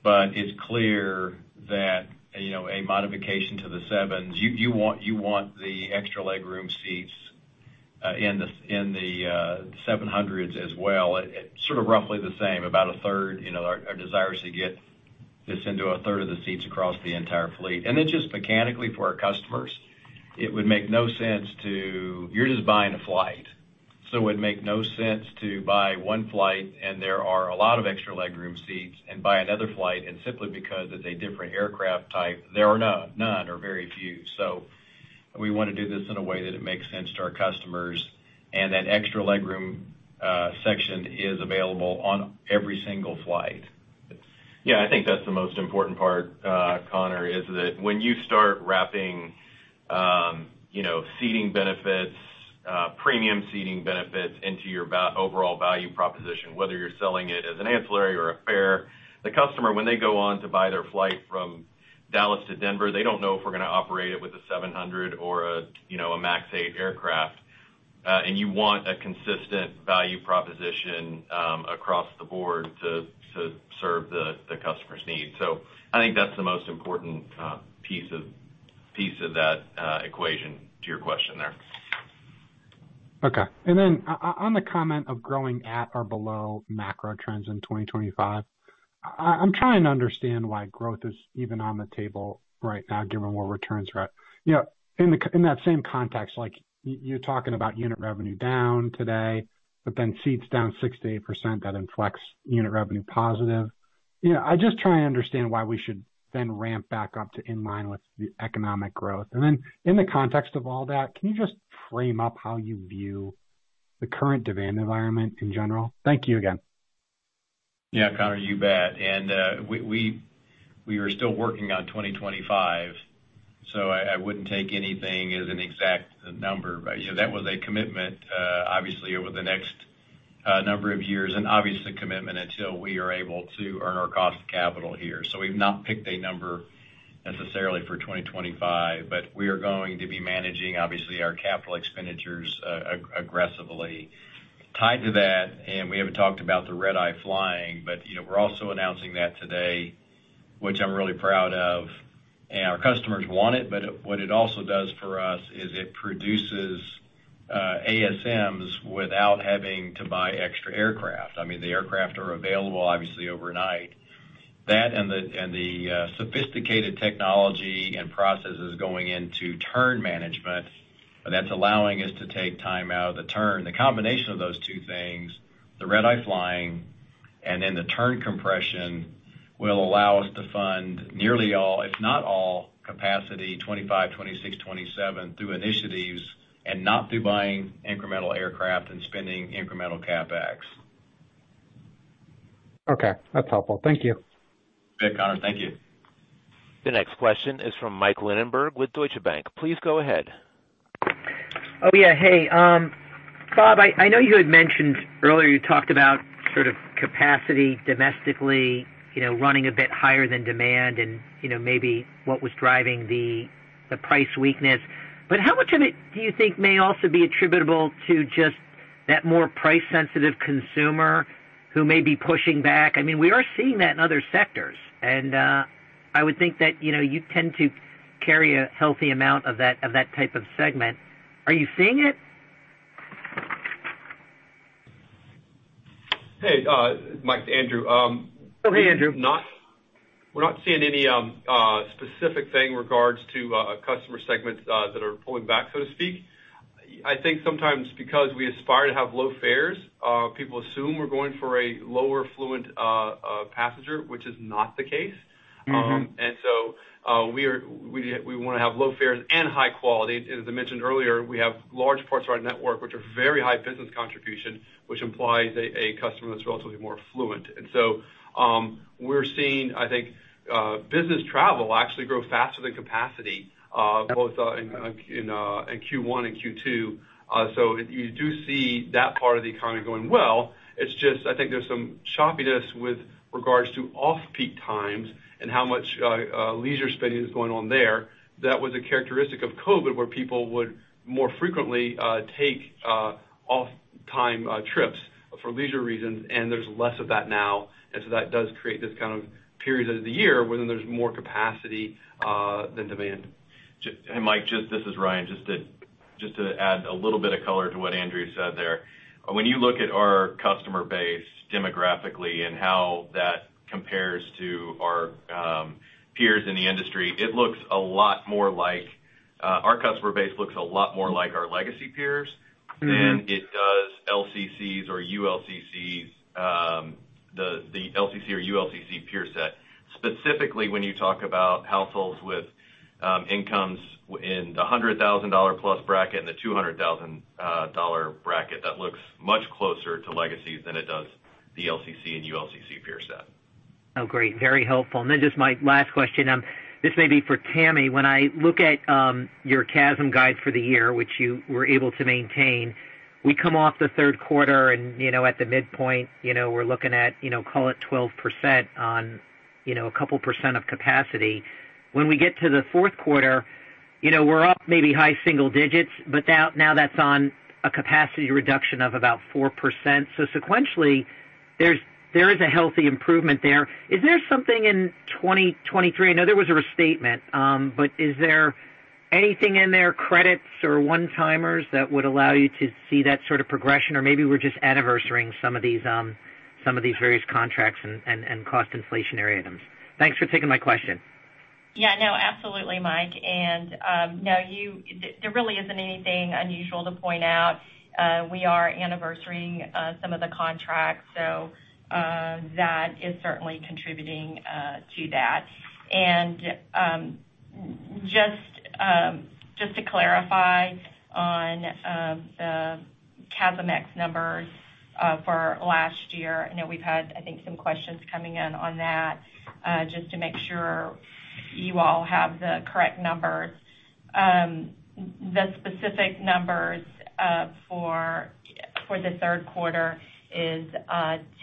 But it's clear that a modification to the 7s, you want the extra legroom seats in the 700s as well. Sort of roughly the same, about a third. Our desire is to get this into a third of the seats across the entire fleet. And then just mechanically, for our customers, it would make no sense to. You're just buying a flight. So it would make no sense to buy one flight, and there are a lot of extra legroom seats, and buy another flight, and simply because it's a different aircraft type, there are none or very few. So we want to do this in a way that it makes sense to our customers, and that extra legroom section is available on every single flight. Yeah, I think that's the most important part, Conor, is that when you start wrapping seating benefits, premium seating benefits into your overall value proposition, whether you're selling it as an ancillary or a fare, the customer, when they go on to buy their flight from Dallas to Denver, they don't know if we're going to operate it with a 700 or a MAX 8 aircraft. You want a consistent value proposition across the board to serve the customer's needs. I think that's the most important piece of that equation to your question there. Okay. And then on the comment of growing at or below macro trends in 2025, I'm trying to understand why growth is even on the table right now, given what returns are at. In that same context, you're talking about unit revenue down today, but then seats down 68% that inflects unit revenue positive. I just try and understand why we should then ramp back up to in line with the economic growth. And then in the context of all that, can you just frame up how you view the current demand environment in general? Thank you again. Yeah, Connor, you bet. And we are still working on 2025, so I wouldn't take anything as an exact number. That was a commitment, obviously, over the next number of years, and obviously a commitment until we are able to earn our cost of capital here. So we've not picked a number necessarily for 2025, but we are going to be managing, obviously, our capital expenditures aggressively. Tied to that, and we haven't talked about the Red-eye flying, but we're also announcing that today, which I'm really proud of. And our customers want it, but what it also does for us is it produces ASMs without having to buy extra aircraft. I mean, the aircraft are available, obviously, overnight. That and the sophisticated technology and processes going into turn management, that's allowing us to take time out of the turn. The combination of those two things, the red-eye flying, and then the turn compression will allow us to fund nearly all, if not all, capacity 2025, 2026, 2027 through initiatives and not through buying incremental aircraft and spending incremental CapEx. Okay. That's helpful. Thank you. Good, Conor. Thank you. The next question is from Mike Linenberg with Deutsche Bank. Please go ahead. Oh, yeah. Hey, Bob, I know you had mentioned earlier you talked about sort of capacity domestically running a bit higher than demand and maybe what was driving the price weakness. But how much of it do you think may also be attributable to just that more price-sensitive consumer who may be pushing back? I mean, we are seeing that in other sectors, and I would think that you tend to carry a healthy amount of that type of segment. Are you seeing it? Hey, Mike, it's Andrew. Oh, hey, Andrew. We're not seeing any specific thing in regards to customer segments that are pulling back, so to speak. I think sometimes because we aspire to have low fares, people assume we're going for a lower-afluent passenger, which is not the case. And so we want to have low fares and high quality. And as I mentioned earlier, we have large parts of our network, which are very high business contribution, which implies a customer that's relatively more afluent. And so we're seeing, I think, business travel actually grow faster than capacity, both in Q1 and Q2. So you do see that part of the economy going well. It's just, I think there's some choppiness with regards to off-peak times and how much leisure spending is going on there. That was a characteristic of COVID where people would more frequently take off-time trips for leisure reasons, and there's less of that now. And so that does create this kind of period of the year where then there's more capacity than demand. Hey, Mike, this is Ryan. Just to add a little bit of color to what Andrew said there. When you look at our customer base demographically and how that compares to our peers in the industry, it looks a lot more like our customer base looks a lot more like our legacy peers than it does LCCs or ULCCs, the LCC or ULCC peer set. Specifically, when you talk about households with incomes in the $100,000 plus bracket and the $200,000 bracket, that looks much closer to legacies than it does the LCC and ULCC peer set. Oh, great. Very helpful. And then just my last question. This may be for Tammy. When I look at your CASM guide for the year, which you were able to maintain, we come off the third quarter, and at the midpoint, we're looking at, call it 12% on a couple percent of capacity. When we get to the fourth quarter, we're up maybe high single digits, but now that's on a capacity reduction of about 4%. So sequentially, there is a healthy improvement there. Is there something in 2023? I know there was a restatement, but is there anything in there, credits or one-timers, that would allow you to see that sort of progression? Or maybe we're just anniversarying some of these various contracts and cost inflationary items. Thanks for taking my question. Yeah, no, absolutely, Mike. And no, there really isn't anything unusual to point out. We are anniversarying some of the contracts, so that is certainly contributing to that. And just to clarify on the CASM-X numbers for last year, I know we've had, I think, some questions coming in on that just to make sure you all have the correct numbers. The specific numbers for the third quarter is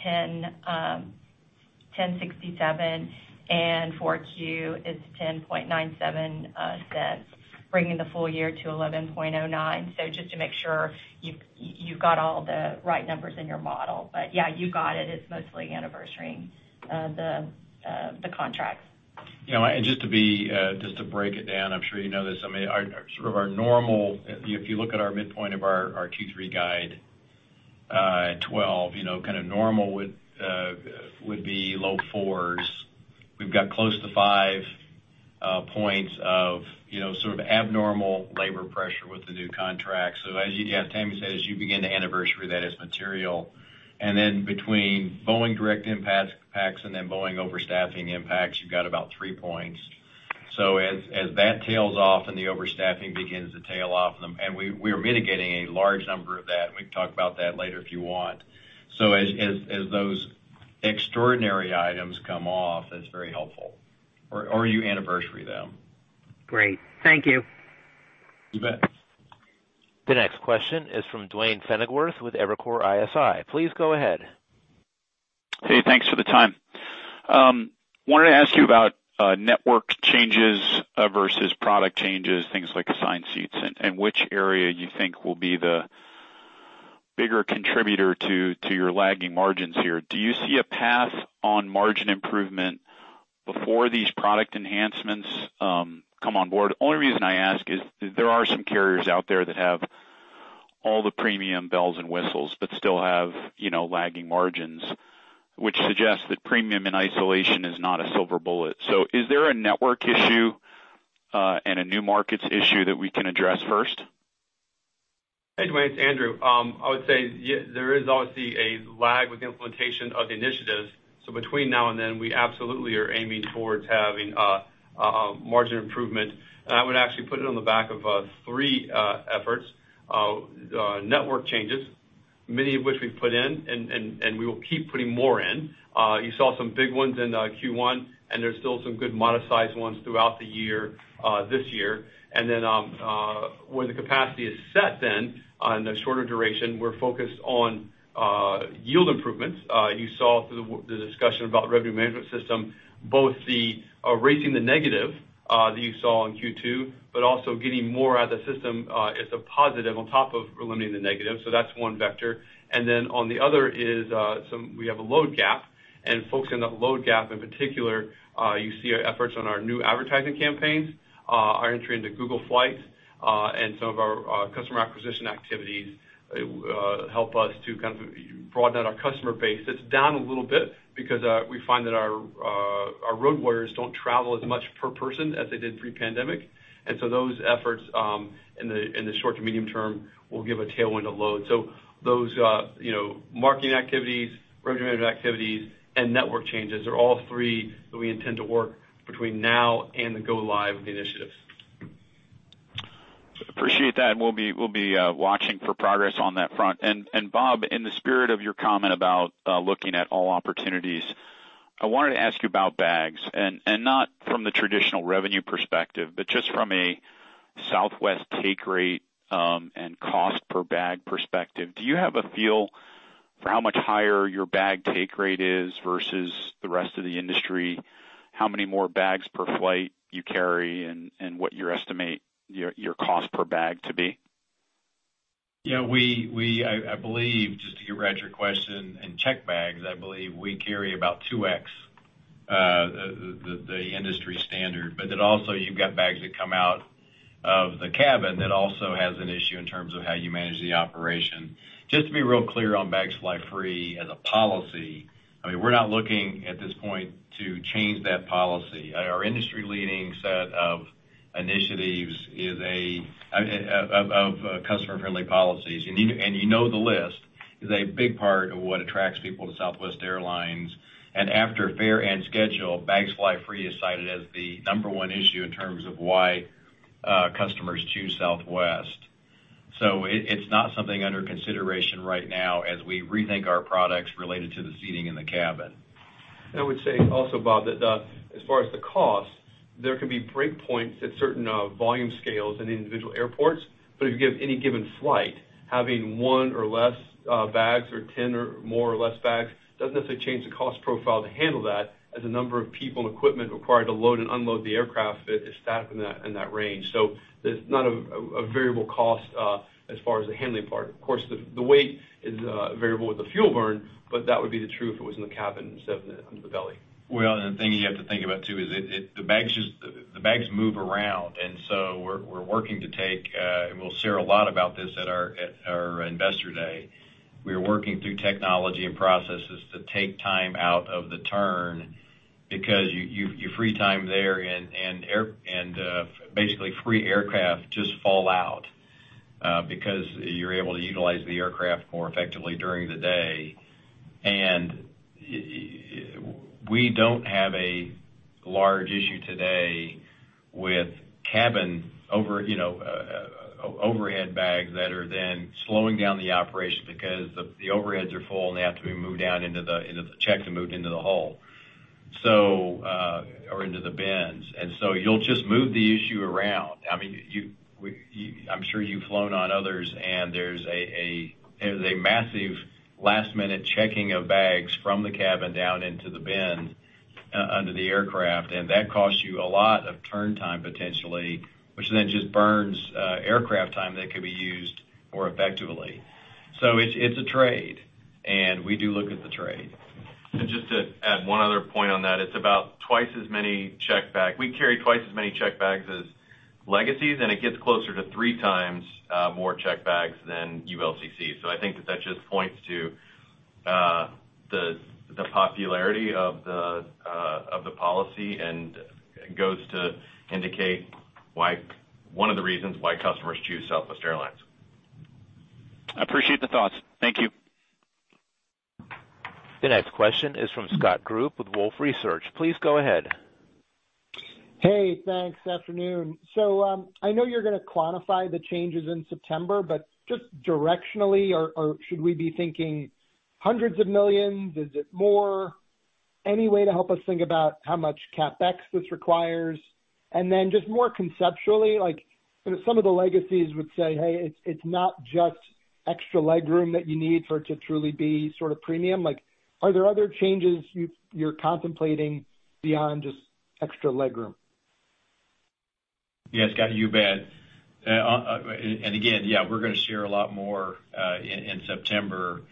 10.67, and for Q is 10.97 cents, bringing the full year to 11.09. So just to make sure you've got all the right numbers in your model. But yeah, you got it. It's mostly anniversarying the contracts. Just to break it down, I'm sure you know this. I mean, sort of our normal, if you look at our midpoint of our Q3 guide, 12, kind of normal would be low 4s. We've got close to 5 points of sort of abnormal labor pressure with the new contracts. So as you heard Tammy say, as you begin the anniversary, that is material. And then between Boeing direct impacts and then Boeing overstaffing impacts, you've got about 3 points. So as that tails off and the overstaffing begins to tail off, and we are mitigating a large number of that, and we can talk about that later if you want. So as those extraordinary items come off, that's very helpful. Or are you anniversary them? Great. Thank you. You bet. The next question is from Duane Pfennigwerth with Evercore ISI. Please go ahead. Hey, thanks for the time. Wanted to ask you about network changes versus product changes, things like assigned seats, and which area you think will be the bigger contributor to your lagging margins here. Do you see a path on margin improvement before these product enhancements come on board? The only reason I ask is there are some carriers out there that have all the premium bells and whistles but still have lagging margins, which suggests that premium in isolation is not a silver bullet. Is there a network issue and a new markets issue that we can address first? Hey, Duane, it's Andrew. I would say there is obviously a lag with the implementation of the initiatives. So between now and then, we absolutely are aiming towards having margin improvement. And I would actually put it on the back of three efforts: network changes, many of which we've put in, and we will keep putting more in. You saw some big ones in Q1, and there's still some good modest-sized ones throughout this year. And then where the capacity is set then on a shorter duration, we're focused on yield improvements. You saw through the discussion about the revenue management system, both the erasing the negative that you saw in Q2, but also getting more out of the system is a positive on top of eliminating the negative. So that's one vector. And then on the other is we have a load gap. Focusing on that load gap in particular, you see our efforts on our new advertising campaigns, our entry into Google Flights, and some of our customer acquisition activities help us to kind of broaden out our customer base. It's down a little bit because we find that our road warriors don't travel as much per person as they did pre-pandemic. And so those efforts in the short to medium term will give a tailwind of load. So those marketing activities, revenue management activities, and network changes are all three that we intend to work between now and the go-live of the initiatives. Appreciate that. We'll be watching for progress on that front. And Bob, in the spirit of your comment about looking at all opportunities, I wanted to ask you about bags. And not from the traditional revenue perspective, but just from a Southwest take rate and cost per bag perspective, do you have a feel for how much higher your bag take rate is versus the rest of the industry? How many more bags per flight you carry and what you estimate your cost per bag to be? Yeah, I believe, just to get right to your question and checked bags, I believe we carry about 2X the industry standard. But then also, you've got bags that come out of the cabin that also has an issue in terms of how you manage the operation. Just to be real clear on Bags Fly Free as a policy, I mean, we're not looking at this point to change that policy. Our industry-leading set of initiatives is a customer-friendly policies. And you know the list is a big part of what attracts people to Southwest Airlines. And after fare and schedule, Bags Fly Free is cited as the number one issue in terms of why customers choose Southwest. So it's not something under consideration right now as we rethink our products related to the seating in the cabin. I would say also, Bob, that as far as the cost, there can be breakpoints at certain volume scales in individual airports. But if you give any given flight, having 1 or less bags or 10 or more or less bags doesn't necessarily change the cost profile to handle that as the number of people and equipment required to load and unload the aircraft is stacked in that range. So there's not a variable cost as far as the handling part. Of course, the weight is variable with the fuel burn, but that would be the truth if it was in the cabin instead of under the belly. Well, and the thing you have to think about too is the bags move around. And so we're working to take, and we'll share a lot about this at our Investor Day. We are working through technology and processes to take time out of the turn because your free time there and basically free aircraft just fall out because you're able to utilize the aircraft more effectively during the day. And we don't have a large issue today with cabin overhead bags that are then slowing down the operation because the overheads are full and they have to be moved down into the check to move into the hold or into the bins. And so you'll just move the issue around. I mean, I'm sure you've flown on others, and there's a massive last-minute checking of bags from the cabin down into the bins under the aircraft. That costs you a lot of turn time potentially, which then just burns aircraft time that could be used more effectively. It's a trade, and we do look at the trade. Just to add one other point on that, it's about twice as many checked bags. We carry twice as many checked bags as legacies, and it gets closer to three times more checked bags than ULCCs. I think that that just points to the popularity of the policy and goes to indicate one of the reasons why customers choose Southwest Airlines. I appreciate the thoughts. Thank you. The next question is from Scott Group with Wolfe Research. Please go ahead. Hey, thanks. Good afternoon. So I know you're going to quantify the changes in September, but just directionally, or should we be thinking $hundreds of millions? Is it more? Any way to help us think about how much CapEx this requires? And then just more conceptually, some of the legacies would say, "Hey, it's not just extra legroom that you need for it to truly be sort of premium." Are there other changes you're contemplating beyond just extra legroom? Yes, Scott, you bet. And again, yeah, we're going to share a lot more in September.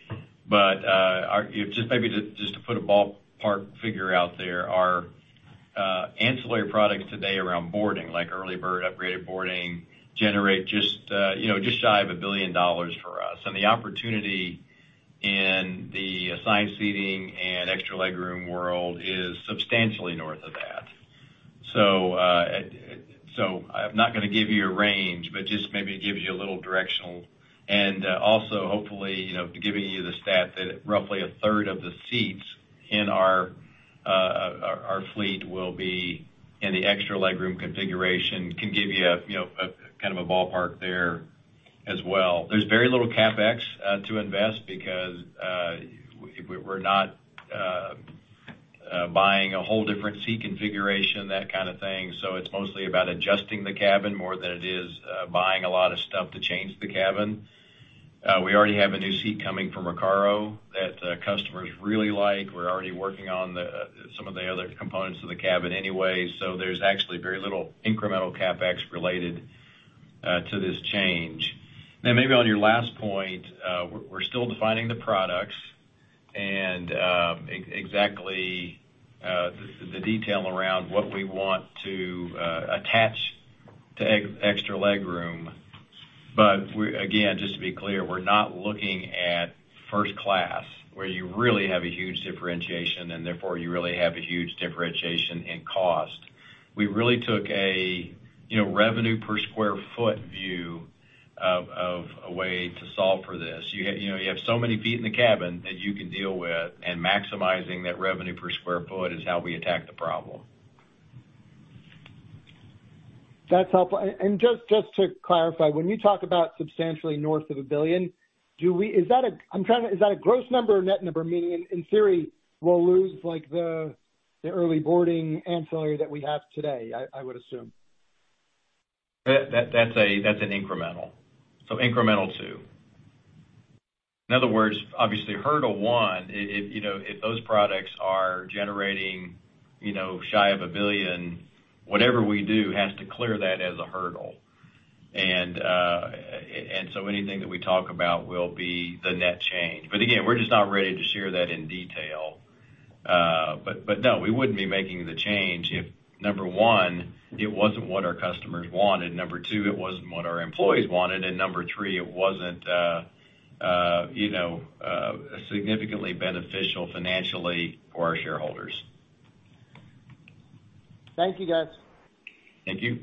But just maybe just to put a ballpark figure out there, our ancillary products today around boarding, like EarlyBird, Upgraded Boarding, generate just shy of $1 billion for us. And the opportunity in the assigned seating and extra legroom world is substantially north of that. So I'm not going to give you a range, but just maybe it gives you a little directional. And also, hopefully, giving you the stat that roughly a third of the seats in our fleet will be in the extra legroom configuration can give you kind of a ballpark there as well. There's very little CapEx to invest because we're not buying a whole different seat configuration, that kind of thing. It's mostly about adjusting the cabin more than it is buying a lot of stuff to change the cabin. We already have a new seat coming from Recaro that customers really like. We're already working on some of the other components of the cabin anyway. There's actually very little incremental CapEx related to this change. Then maybe on your last point, we're still defining the products and exactly the detail around what we want to attach to extra legroom. Again, just to be clear, we're not looking at first class where you really have a huge differentiation and therefore you really have a huge differentiation in cost. We really took a revenue per square foot view of a way to solve for this. You have so many feet in the cabin that you can deal with, and maximizing that revenue per square foot is how we attack the problem. That's helpful. And just to clarify, when you talk about substantially north of $1 billion, is that a gross number or net number? Meaning, in theory, we'll lose the early boarding ancillary that we have today, I would assume. That's an incremental. So incremental two. In other words, obviously, hurdle one, if those products are generating shy of $1 billion, whatever we do has to clear that as a hurdle. And so anything that we talk about will be the net change. But again, we're just not ready to share that in detail. But no, we wouldn't be making the change if, number one, it wasn't what our customers wanted. Number two, it wasn't what our employees wanted. And number three, it wasn't significantly beneficial financially for our shareholders. Thank you, guys. Thank you.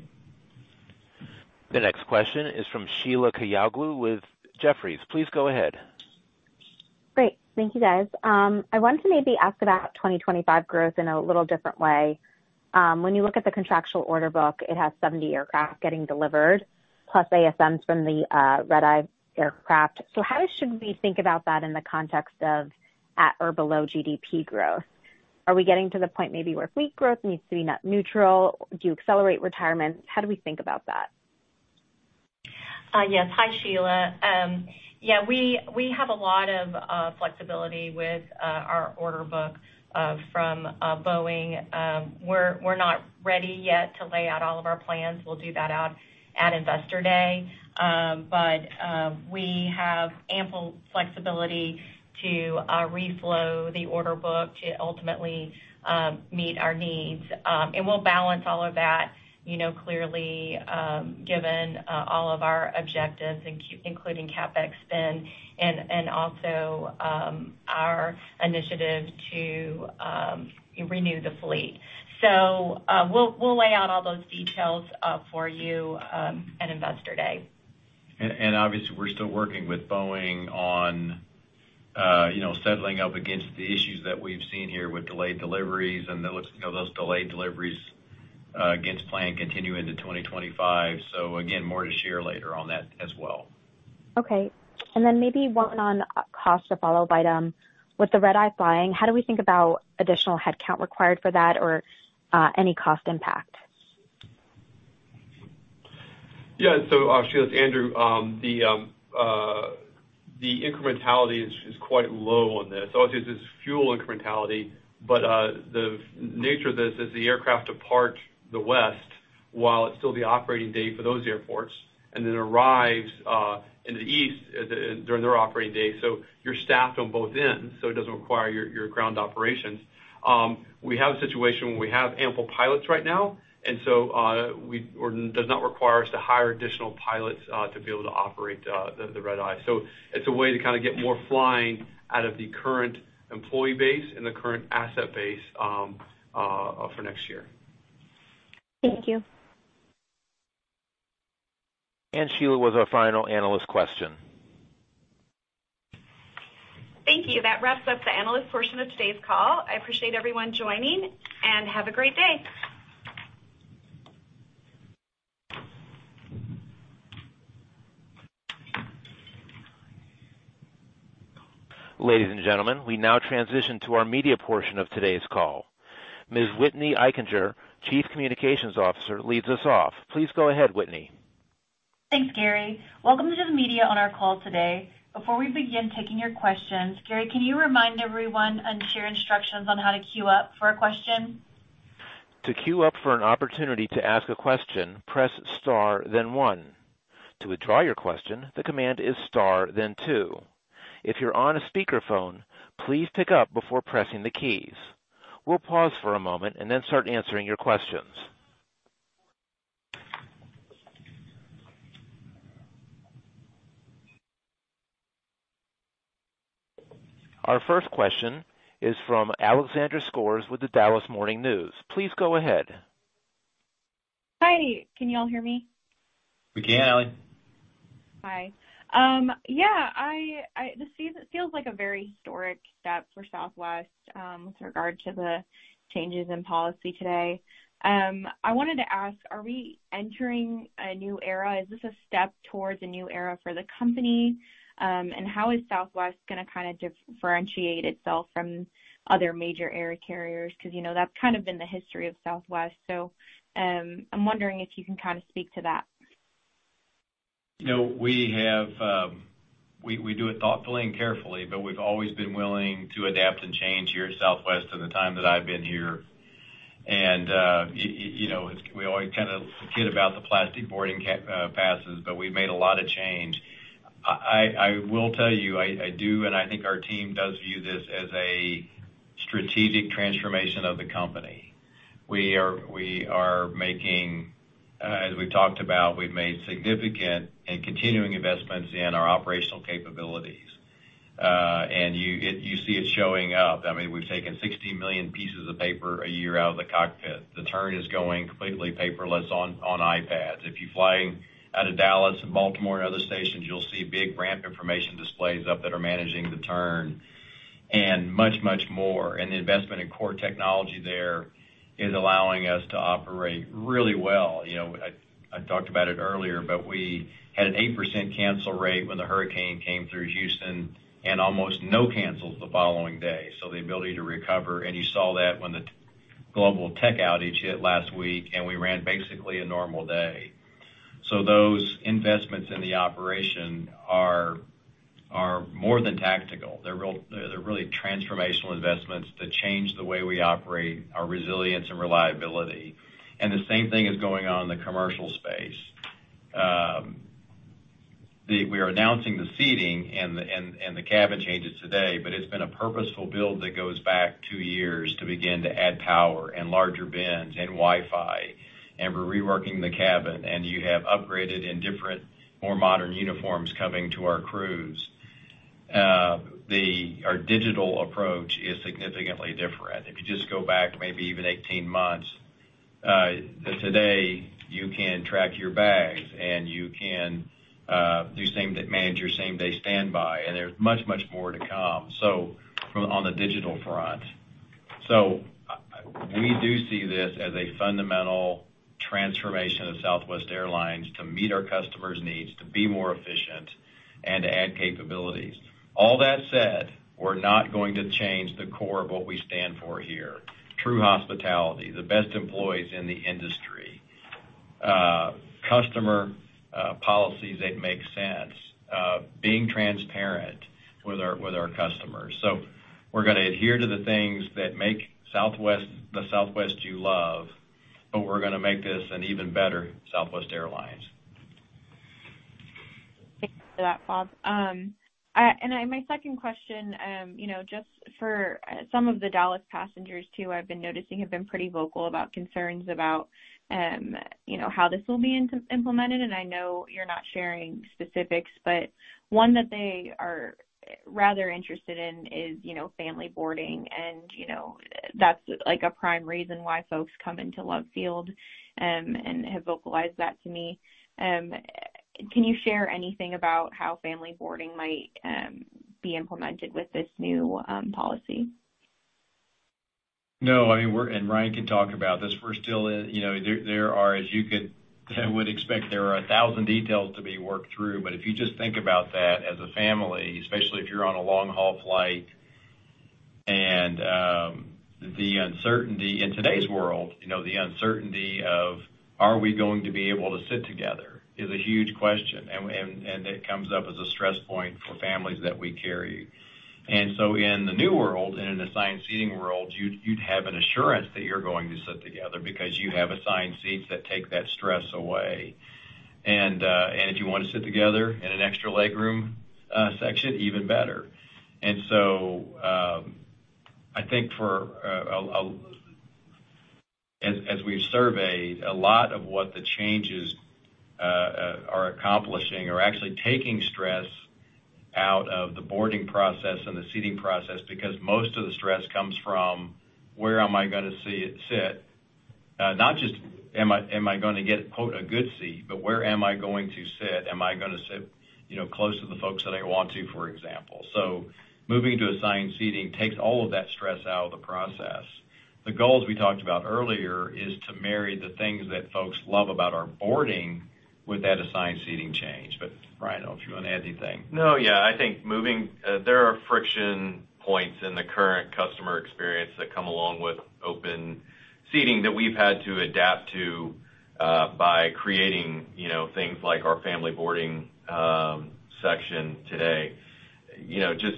The next question is from Sheila Kahyaoglu with Jefferies. Please go ahead. Great. Thank you, guys. I wanted to maybe ask about 2025 growth in a little different way. When you look at the contractual order book, it has 70 aircraft getting delivered plus ASMs from the red-eye aircraft. So how should we think about that in the context of at or below GDP growth? Are we getting to the point maybe where fleet growth needs to be net neutral? Do you accelerate retirement? How do we think about that? Yes. Hi, Sheila. Yeah, we have a lot of flexibility with our order book from Boeing. We're not ready yet to lay out all of our plans. We'll do that out at Investor Day. But we have ample flexibility to reflow the order book to ultimately meet our needs. And we'll balance all of that clearly given all of our objectives, including CapEx spend and also our initiative to renew the fleet. So we'll lay out all those details for you at Investor Day. Obviously, we're still working with Boeing on settling up against the issues that we've seen here with delayed deliveries. And those delayed deliveries against plan continuing into 2025. So again, more to share later on that as well. Okay. And then maybe one on cost to follow item. With the Red-eye flying, how do we think about additional headcount required for that or any cost impact? Yeah. I'll share with Andrew. The incrementality is quite low on this. Obviously, there's fuel incrementality, but the nature of this is the aircraft departs the west while it's still the operating day for those airports and then arrives in the east during their operating day. You're staffed on both ends, so it doesn't require your ground operations. We have a situation where we have ample pilots right now, and so it does not require us to hire additional pilots to be able to operate the Red-eye. It's a way to kind of get more flying out of the current employee base and the current asset base for next year. Thank you. And Sheila with our final analyst question. Thank you. That wraps up the analyst portion of today's call. I appreciate everyone joining and have a great day. Ladies and gentlemen, we now transition to our media portion of today's call. Ms. Whitney Eichinger, Chief Communications Officer, leads us off. Please go ahead, Whitney. Thanks, Gary. Welcome to the media on our call today. Before we begin taking your questions, Gary, can you remind everyone and share instructions on how to queue up for a question? To queue up for an opportunity to ask a question, press star, then one. To withdraw your question, the command is star, then two. If you're on a speakerphone, please pick up before pressing the keys. We'll pause for a moment and then start answering your questions. Our first question is from Alexandra Skores with The Dallas Morning News. Please go ahead. Hi. Can you all hear me? We can, Allie. Hi. Yeah. This feels like a very historic step for Southwest with regard to the changes in policy today. I wanted to ask, are we entering a new era? Is this a step towards a new era for the company? And how is Southwest going to kind of differentiate itself from other major air carriers? Because that's kind of been the history of Southwest. So I'm wondering if you can kind of speak to that. We do it thoughtfully and carefully, but we've always been willing to adapt and change here at Southwest in the time that I've been here. We always kind of forget about the plastic boarding passes, but we've made a lot of change. I will tell you, I do, and I think our team does view this as a strategic transformation of the company. We are making, as we've talked about, we've made significant and continuing investments in our operational capabilities. You see it showing up. I mean, we've taken 60 million pieces of paper a year out of the cockpit. The turn is going completely paperless on iPads. If you're flying out of Dallas and Baltimore and other stations, you'll see big ramp information displays up that are managing the turn and much, much more. The investment in core technology there is allowing us to operate really well. I talked about it earlier, but we had an 8% cancel rate when the hurricane came through Houston and almost no cancels the following day. The ability to recover, and you saw that when the global tech outage hit last week, and we ran basically a normal day. Those investments in the operation are more than tactical. They're really transformational investments that change the way we operate, our resilience, and reliability. The same thing is going on in the commercial space. We are announcing the seating and the cabin changes today, but it's been a purposeful build that goes back two years to begin to add power and larger bins and Wi-Fi. We're reworking the cabin, and you have upgrades and different, more modern uniforms coming to our crews. Our digital approach is significantly different. If you just go back maybe even 18 months, today, you can track your bags, and you can manage your same-day standby. There's much, much more to come on the digital front. We do see this as a fundamental transformation of Southwest Airlines to meet our customers' needs, to be more efficient, and to add capabilities. All that said, we're not going to change the core of what we stand for here: true hospitality, the best employees in the industry, customer policies that make sense, being transparent with our customers. We're going to adhere to the things that make the Southwest you love, but we're going to make this an even better Southwest Airlines. Thanks for that, Bob. My second question, just for some of the Dallas passengers too, I've been noticing have been pretty vocal about concerns about how this will be implemented. I know you're not sharing specifics, but one that they are rather interested in is family boarding. That's a prime reason why folks come into Love Field and have vocalized that to me. Can you share anything about how family boarding might be implemented with this new policy? No, I mean, and Ryan can talk about this. We're still in there. As you would expect, there are 1,000 details to be worked through. But if you just think about that as a family, especially if you're on a long-haul flight, and the uncertainty in today's world, the uncertainty of, are we going to be able to sit together is a huge question. And it comes up as a stress point for families that we carry. And so in the new world, in an assigned seating world, you'd have an assurance that you're going to sit together because you have assigned seats that take that stress away. And if you want to sit together in an extra legroom section, even better. So I think for, as we've surveyed, a lot of what the changes are accomplishing are actually taking stress out of the boarding process and the seating process because most of the stress comes from, where am I going to sit? Not just, am I going to get "a good seat," but where am I going to sit? Am I going to sit close to the folks that I want to, for example? So moving to assigned seating takes all of that stress out of the process. The goals we talked about earlier is to marry the things that folks love about our boarding with that assigned seating change. But Ryan, if you want to add anything. No, yeah. I think moving, there are friction points in the current customer experience that come along with open seating that we've had to adapt to by creating things like our family boarding section today. Just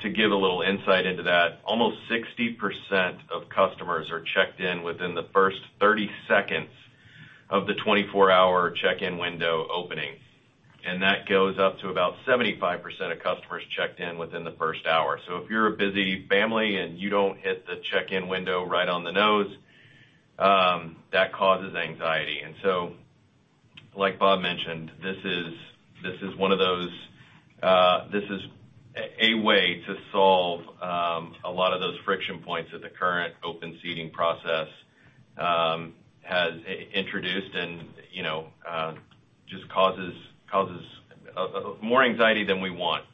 to give a little insight into that, almost 60% of customers are checked in within the first 30 seconds of the 24-hour check-in window opening. That goes up to about 75% of customers checked in within the first hour. So if you're a busy family and you don't hit the check-in window right on the nose, that causes anxiety. So, like Bob mentioned, this is one of those, a way to solve a lot of those friction points that the current open seating process has introduced and just causes more anxiety than we want.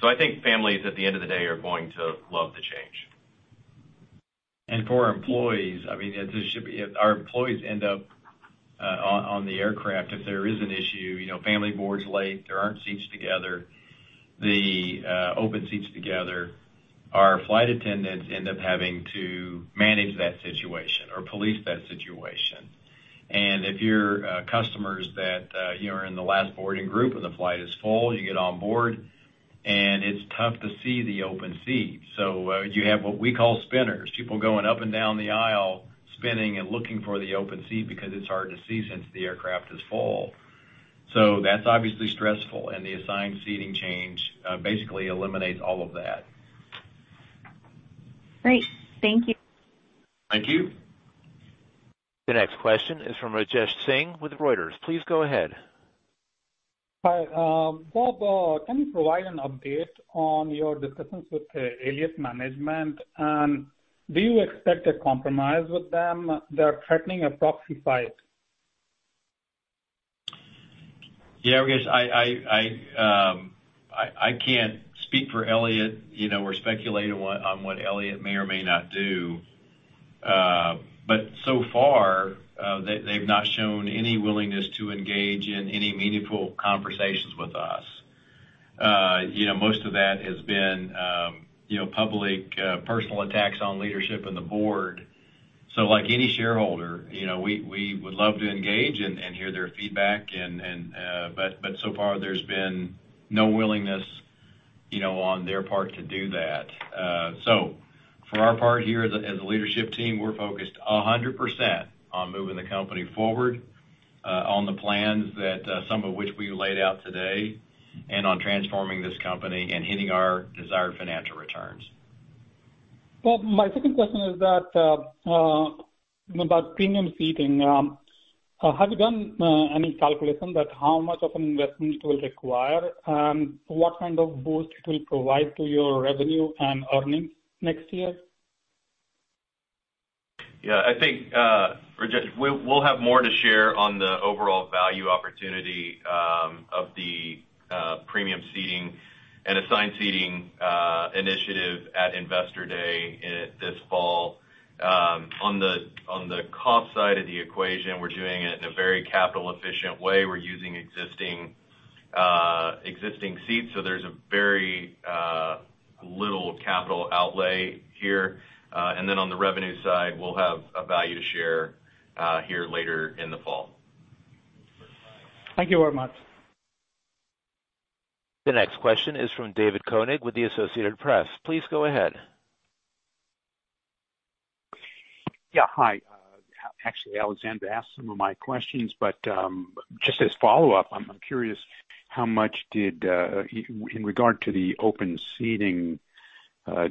So I think families, at the end of the day, are going to love the change. For employees, I mean, our employees end up on the aircraft if there is an issue. Family boards late. There aren't seats together. The open seats together. Our flight attendants end up having to manage that situation or police that situation. If you're customers that are in the last boarding group and the flight is full, you get on board, and it's tough to see the open seat. You have what we call spinners, people going up and down the aisle, spinning and looking for the open seat because it's hard to see since the aircraft is full. That's obviously stressful. The assigned seating change basically eliminates all of that. Great. Thank you. Thank you. The next question is from Rajesh Singh with Reuters. Please go ahead. Hi. Bob, can you provide an update on your discussions with Elliott Management? And do you expect a compromise with them? They're threatening a proxy fight. Yeah, I guess I can't speak for Elliott. We're speculating on what Elliott may or may not do. But so far, they've not shown any willingness to engage in any meaningful conversations with us. Most of that has been public personal attacks on leadership and the board. So like any shareholder, we would love to engage and hear their feedback. But so far, there's been no willingness on their part to do that. So for our part here as a leadership team, we're focused 100% on moving the company forward on the plans that some of which we laid out today and on transforming this company and hitting our desired financial returns. Bob, my second question is that about premium seating. Have you done any calculation that how much of an investment it will require and what kind of boost it will provide to your revenue and earnings next year? Yeah. I think we'll have more to share on the overall value opportunity of the premium seating and assigned seating initiative at Investor Day this fall. On the cost side of the equation, we're doing it in a very capital-efficient way. We're using existing seats. So there's a very little capital outlay here. And then on the revenue side, we'll have a value to share here later in the fall. Thank you very much. The next question is from David Koenig with the Associated Press. Please go ahead. Yeah. Hi. Actually, Alexandra asked some of my questions, but just as follow-up, I'm curious how much did, in regard to the open seating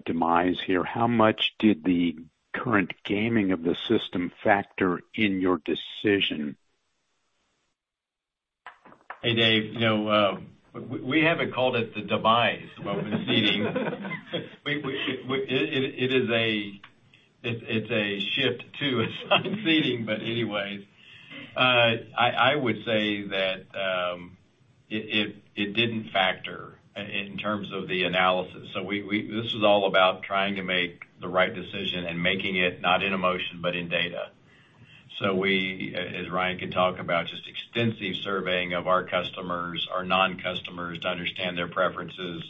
demise here, how much did the current gaming of the system factor in your decision? Hey, Dave. We haven't called it the demise of open seating. It is a shift to assigned seating, but anyways, I would say that it didn't factor in terms of the analysis. So this was all about trying to make the right decision and making it not in emotion, but in data. So as Ryan can talk about, just extensive surveying of our customers, our non-customers, to understand their preferences.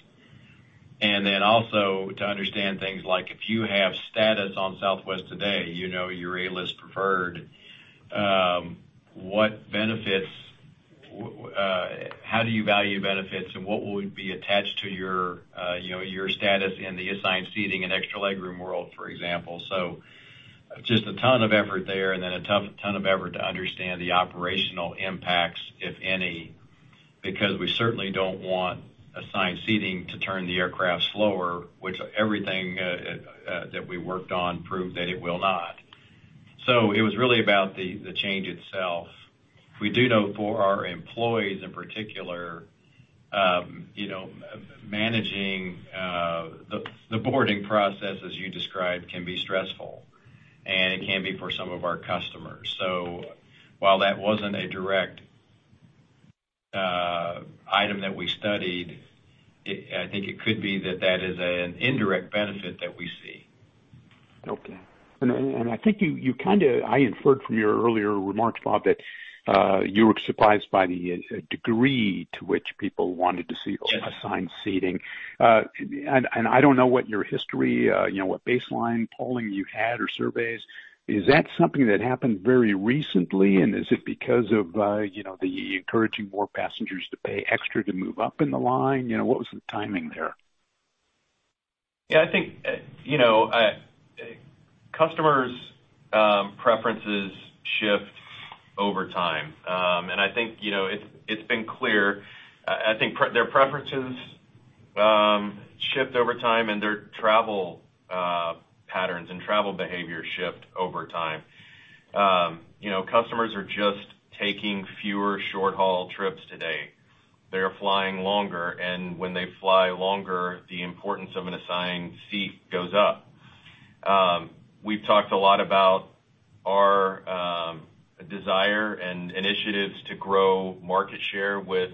And then also to understand things like if you have status on Southwest today, you're A-List Preferred, how do you value benefits, and what would be attached to your status in the assigned seating and extra legroom world, for example. So just a ton of effort there and then a ton of effort to understand the operational impacts, if any, because we certainly don't want assigned seating to turn the aircraft slower, which everything that we worked on proved that it will not. So it was really about the change itself. We do know for our employees in particular, managing the boarding process, as you described, can be stressful. And it can be for some of our customers. So while that wasn't a direct item that we studied, I think it could be that that is an indirect benefit that we see. Okay. I think you kind of inferred from your earlier remarks, Bob, that you were surprised by the degree to which people wanted to see assigned seating. I don't know what your history, what baseline polling you had or surveys. Is that something that happened very recently? And is it because of the encouraging more passengers to pay extra to move up in the line? What was the timing there? Yeah. I think customers' preferences shift over time. I think it's been clear. I think their preferences shift over time, and their travel patterns and travel behavior shift over time. Customers are just taking fewer short-haul trips today. They're flying longer. When they fly longer, the importance of an assigned seat goes up. We've talked a lot about our desire and initiatives to grow market share with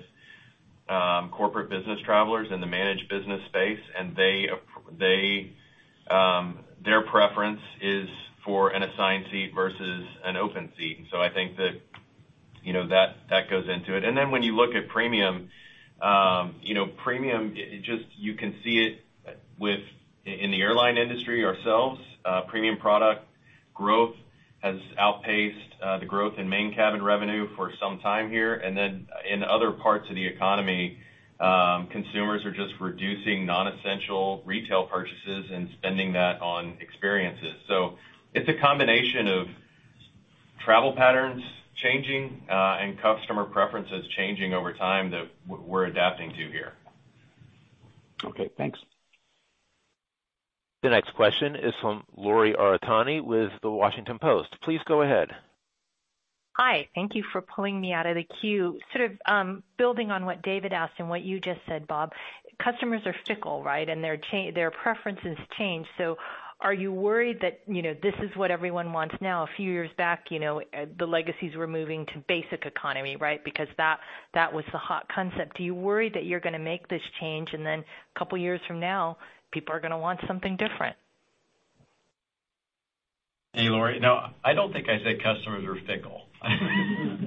corporate business travelers in the managed business space. Their preference is for an assigned seat versus an open seat. So I think that that goes into it. Then when you look at premium, premium, just you can see it in the airline industry ourselves. Premium product growth has outpaced the growth in main cabin revenue for some time here. In other parts of the economy, consumers are just reducing non-essential retail purchases and spending that on experiences. It's a combination of travel patterns changing and customer preferences changing over time that we're adapting to here. Okay. Thanks. The next question is from Lori Aratani with The Washington Post. Please go ahead. Hi. Thank you for pulling me out of the queue. Sort of building on what David asked and what you just said, Bob, customers are fickle, right? And their preferences change. So are you worried that this is what everyone wants now? A few years back, the legacies were moving to basic economy, right? Because that was the hot concept. Do you worry that you're going to make this change and then a couple of years from now, people are going to want something different? Hey, Lori. No, I don't think I said customers are fickle.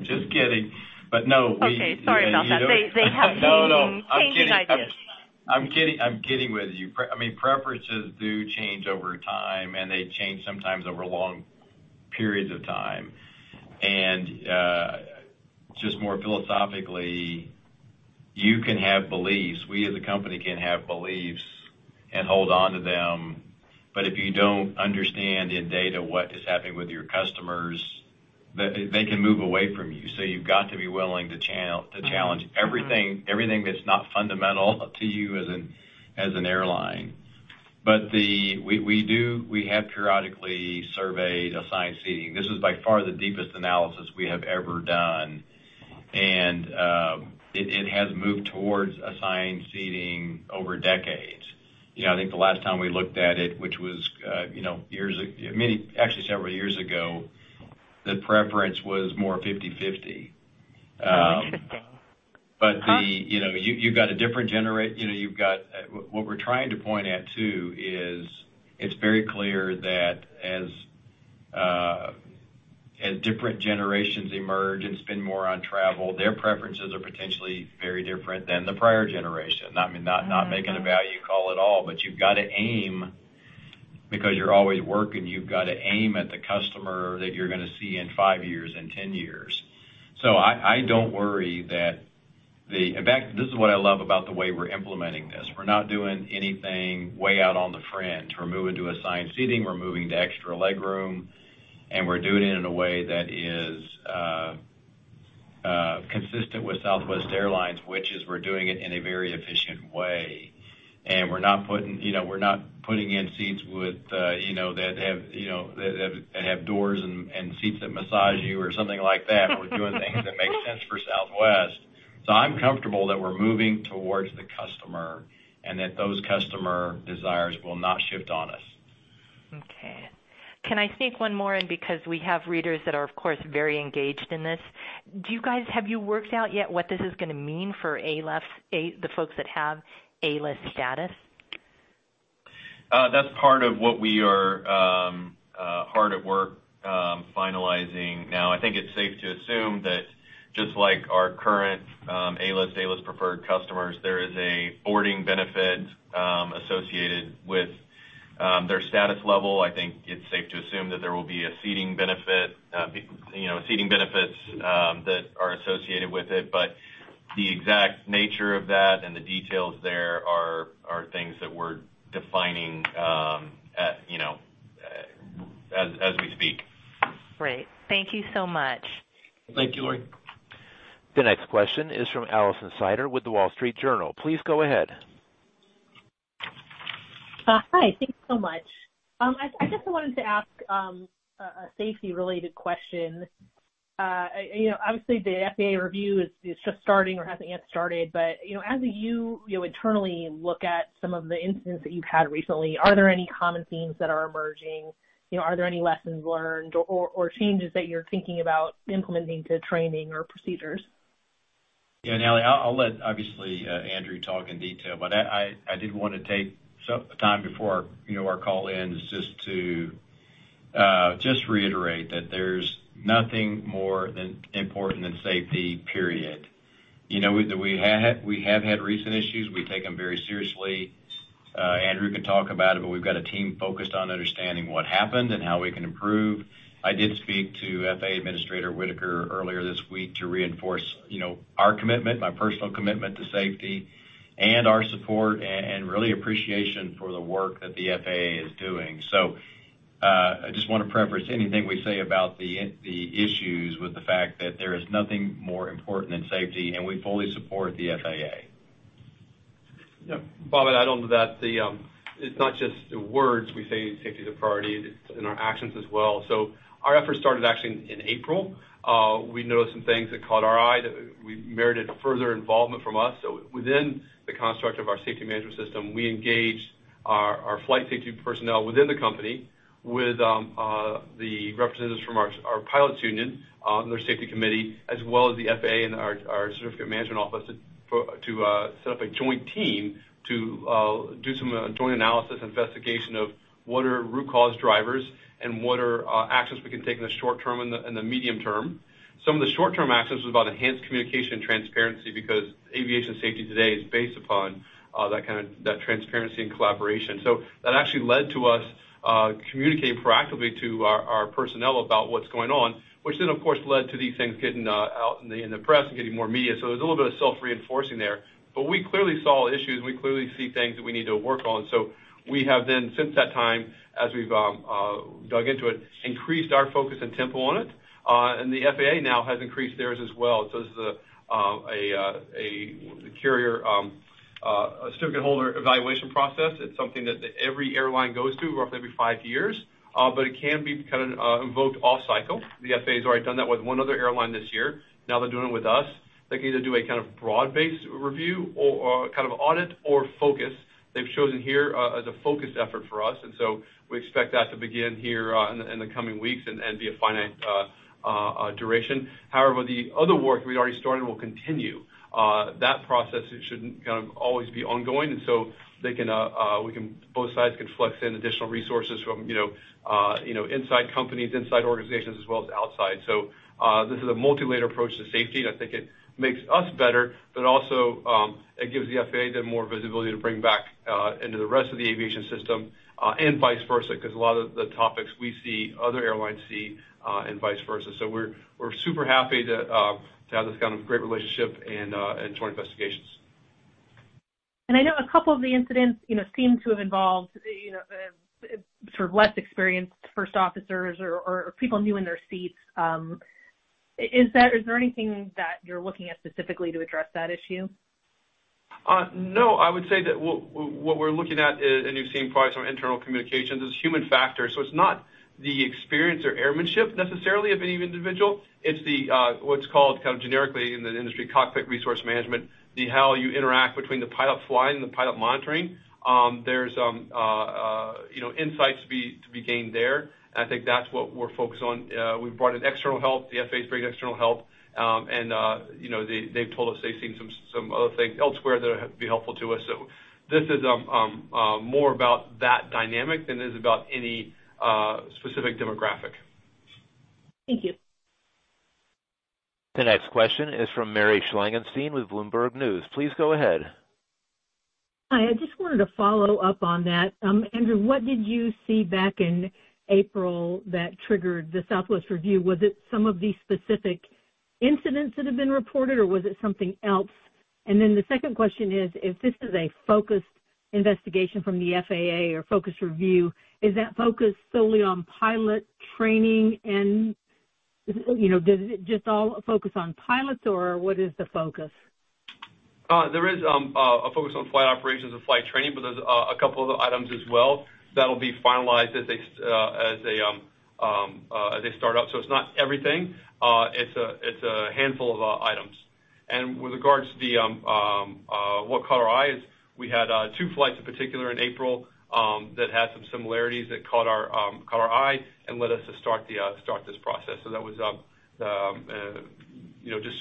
Just kidding. But no, we. Okay. Sorry about that. They have changed ideas. No, no. I'm kidding. I'm kidding with you. I mean, preferences do change over time, and they change sometimes over long periods of time. And just more philosophically, you can have beliefs. We as a company can have beliefs and hold on to them. But if you don't understand in data what is happening with your customers, they can move away from you. So you've got to be willing to challenge everything that's not fundamental to you as an airline. But we have periodically surveyed assigned seating. This is by far the deepest analysis we have ever done. And it has moved towards assigned seating over decades. I think the last time we looked at it, which was many, actually several years ago, the preference was more 50/50. Interesting. But you've got what we're trying to point at too is it's very clear that as different generations emerge and spend more on travel, their preferences are potentially very different than the prior generation. I mean, not making a value call at all, but you've got to aim because you're always working. You've got to aim at the customer that you're going to see in five years and 10 years. So I don't worry that. In fact, this is what I love about the way we're implementing this. We're not doing anything way out on the fringe. We're moving to assigned seating. We're moving to extra legroom. And we're doing it in a way that is consistent with Southwest Airlines, which is we're doing it in a very efficient way. And we're not putting in seats that have doors and seats that massage you or something like that. We're doing things that make sense for Southwest. So I'm comfortable that we're moving towards the customer and that those customer desires will not shift on us. Okay. Can I sneak one more in because we have readers that are, of course, very engaged in this? Have you worked out yet what this is going to mean for the folks that have A-List status? That's part of what we are hard at work finalizing now. I think it's safe to assume that just like our current A-list, A-list preferred customers, there is a boarding benefit associated with their status level. I think it's safe to assume that there will be a seating benefit, seating benefits that are associated with it. But the exact nature of that and the details there are things that we're defining as we speak. Great. Thank you so much. Thank you, Lori. The next question is from Alison Sider with The Wall Street Journal. Please go ahead. Hi. Thank you so much. I just wanted to ask a safety-related question. Obviously, the FAA review is just starting or hasn't yet started. But as you internally look at some of the incidents that you've had recently, are there any common themes that are emerging? Are there any lessons learned or changes that you're thinking about implementing to training or procedures? Yeah. And Allie, I'll let obviously Andrew talk in detail. But I did want to take some time before our call ends just to reiterate that there's nothing more important than safety, period. We have had recent issues. We take them very seriously. Andrew can talk about it, but we've got a team focused on understanding what happened and how we can improve. I did speak to FAA Administrator Whitaker earlier this week to reinforce our commitment, my personal commitment to safety and our support and really appreciation for the work that the FAA is doing. So I just want to preface anything we say about the issues with the fact that there is nothing more important than safety, and we fully support the FAA. Yeah. Bob, I don't know that it's not just words. We say safety is a priority. It's in our actions as well. So our efforts started actually in April. We noticed some things that caught our eye. We merited further involvement from us. So within the construct of our Safety Management System, we engaged our flight safety personnel within the company with the representatives from our pilots union, their safety committee, as well as the FAA and our certificate management office to set up a joint team to do some joint analysis and investigation of what are root cause drivers and what are actions we can take in the short term and the medium term. Some of the short-term actions was about enhanced communication and transparency because aviation safety today is based upon that kind of transparency and collaboration. So that actually led to us communicating proactively to our personnel about what's going on, which then, of course, led to these things getting out in the press and getting more media. So there's a little bit of self-reinforcing there. But we clearly saw issues, and we clearly see things that we need to work on. So we have then, since that time, as we've dug into it, increased our focus and tempo on it. And the FAA now has increased theirs as well. So this is a carrier certificate holder evaluation process. It's something that every airline goes through roughly every five years, but it can be kind of invoked off-cycle. The FAA has already done that with one other airline this year. Now they're doing it with us. They can either do a kind of broad-based review or kind of audit or focus. They've chosen here as a focused effort for us. So we expect that to begin here in the coming weeks and be a finite duration. However, the other work we'd already started will continue. That process should kind of always be ongoing. And so we can. Both sides can flex in additional resources from inside companies, inside organizations, as well as outside. So this is a multi-layer approach to safety. And I think it makes us better, but also it gives the FAA more visibility to bring back into the rest of the aviation system and vice versa because a lot of the topics we see, other airlines see, and vice versa. So we're super happy to have this kind of great relationship and joint investigations. I know a couple of the incidents seem to have involved sort of less experienced first officers or people new in their seats. Is there anything that you're looking at specifically to address that issue? No. I would say that what we're looking at, and you've seen probably some internal communications, is human factor. It's not the experience or airmanship necessarily of any individual. It's what's called kind of generically in the industry, Cockpit Resource Management, the how you interact between the pilot flying and the pilot monitoring. There's insights to be gained there. I think that's what we're focused on. We've brought in external help. The FAA's bringing external help. They've told us they've seen some other things elsewhere that would be helpful to us. This is more about that dynamic than it is about any specific demographic. Thank you. The next question is from Mary Schlangenstein with Bloomberg News. Please go ahead. Hi. I just wanted to follow up on that. Andrew, what did you see back in April that triggered the Southwest review? Was it some of these specific incidents that have been reported, or was it something else? And then the second question is, if this is a focused investigation from the FAA or focused review, is that focused solely on pilot training? And does it just all focus on pilots, or what is the focus? There is a focus on flight operations and flight training, but there's a couple of items as well that'll be finalized as they start up. So it's not everything. It's a handful of items. And with regards to the what caught our eye, we had 2 flights in particular in April that had some similarities that caught our eye and led us to start this process. So that was just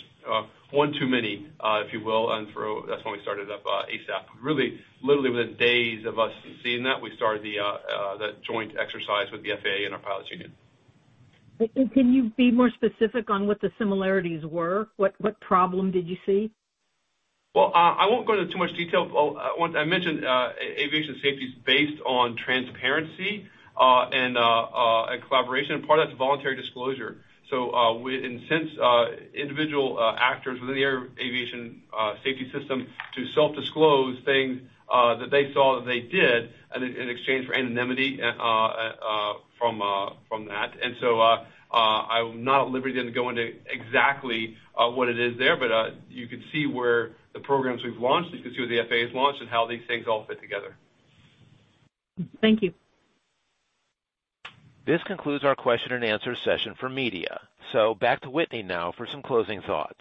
1 too many, if you will. And that's why we started up ASAP. Literally, within days of us seeing that, we started that joint exercise with the FAA and our pilots union. Can you be more specific on what the similarities were? What problem did you see? Well, I won't go into too much detail. I mentioned aviation safety is based on transparency and collaboration. And part of that's voluntary disclosure. So we incentivize individual actors within the aviation safety system to self-disclose things that they saw that they did in exchange for anonymity from that. And so I'm not liberated to go into exactly what it is there, but you can see where the programs we've launched. You can see what the FAA has launched and how these things all fit together. Thank you. This concludes our question and answer session for media. Back to Whitney now for some closing thoughts.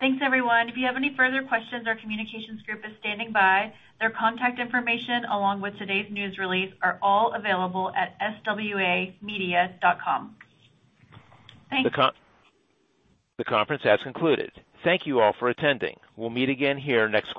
Thanks, everyone. If you have any further questions, our communications group is standing by. Their contact information along with today's news release are all available at swamedia.com. The conference has concluded. Thank you all for attending. We'll meet again here next.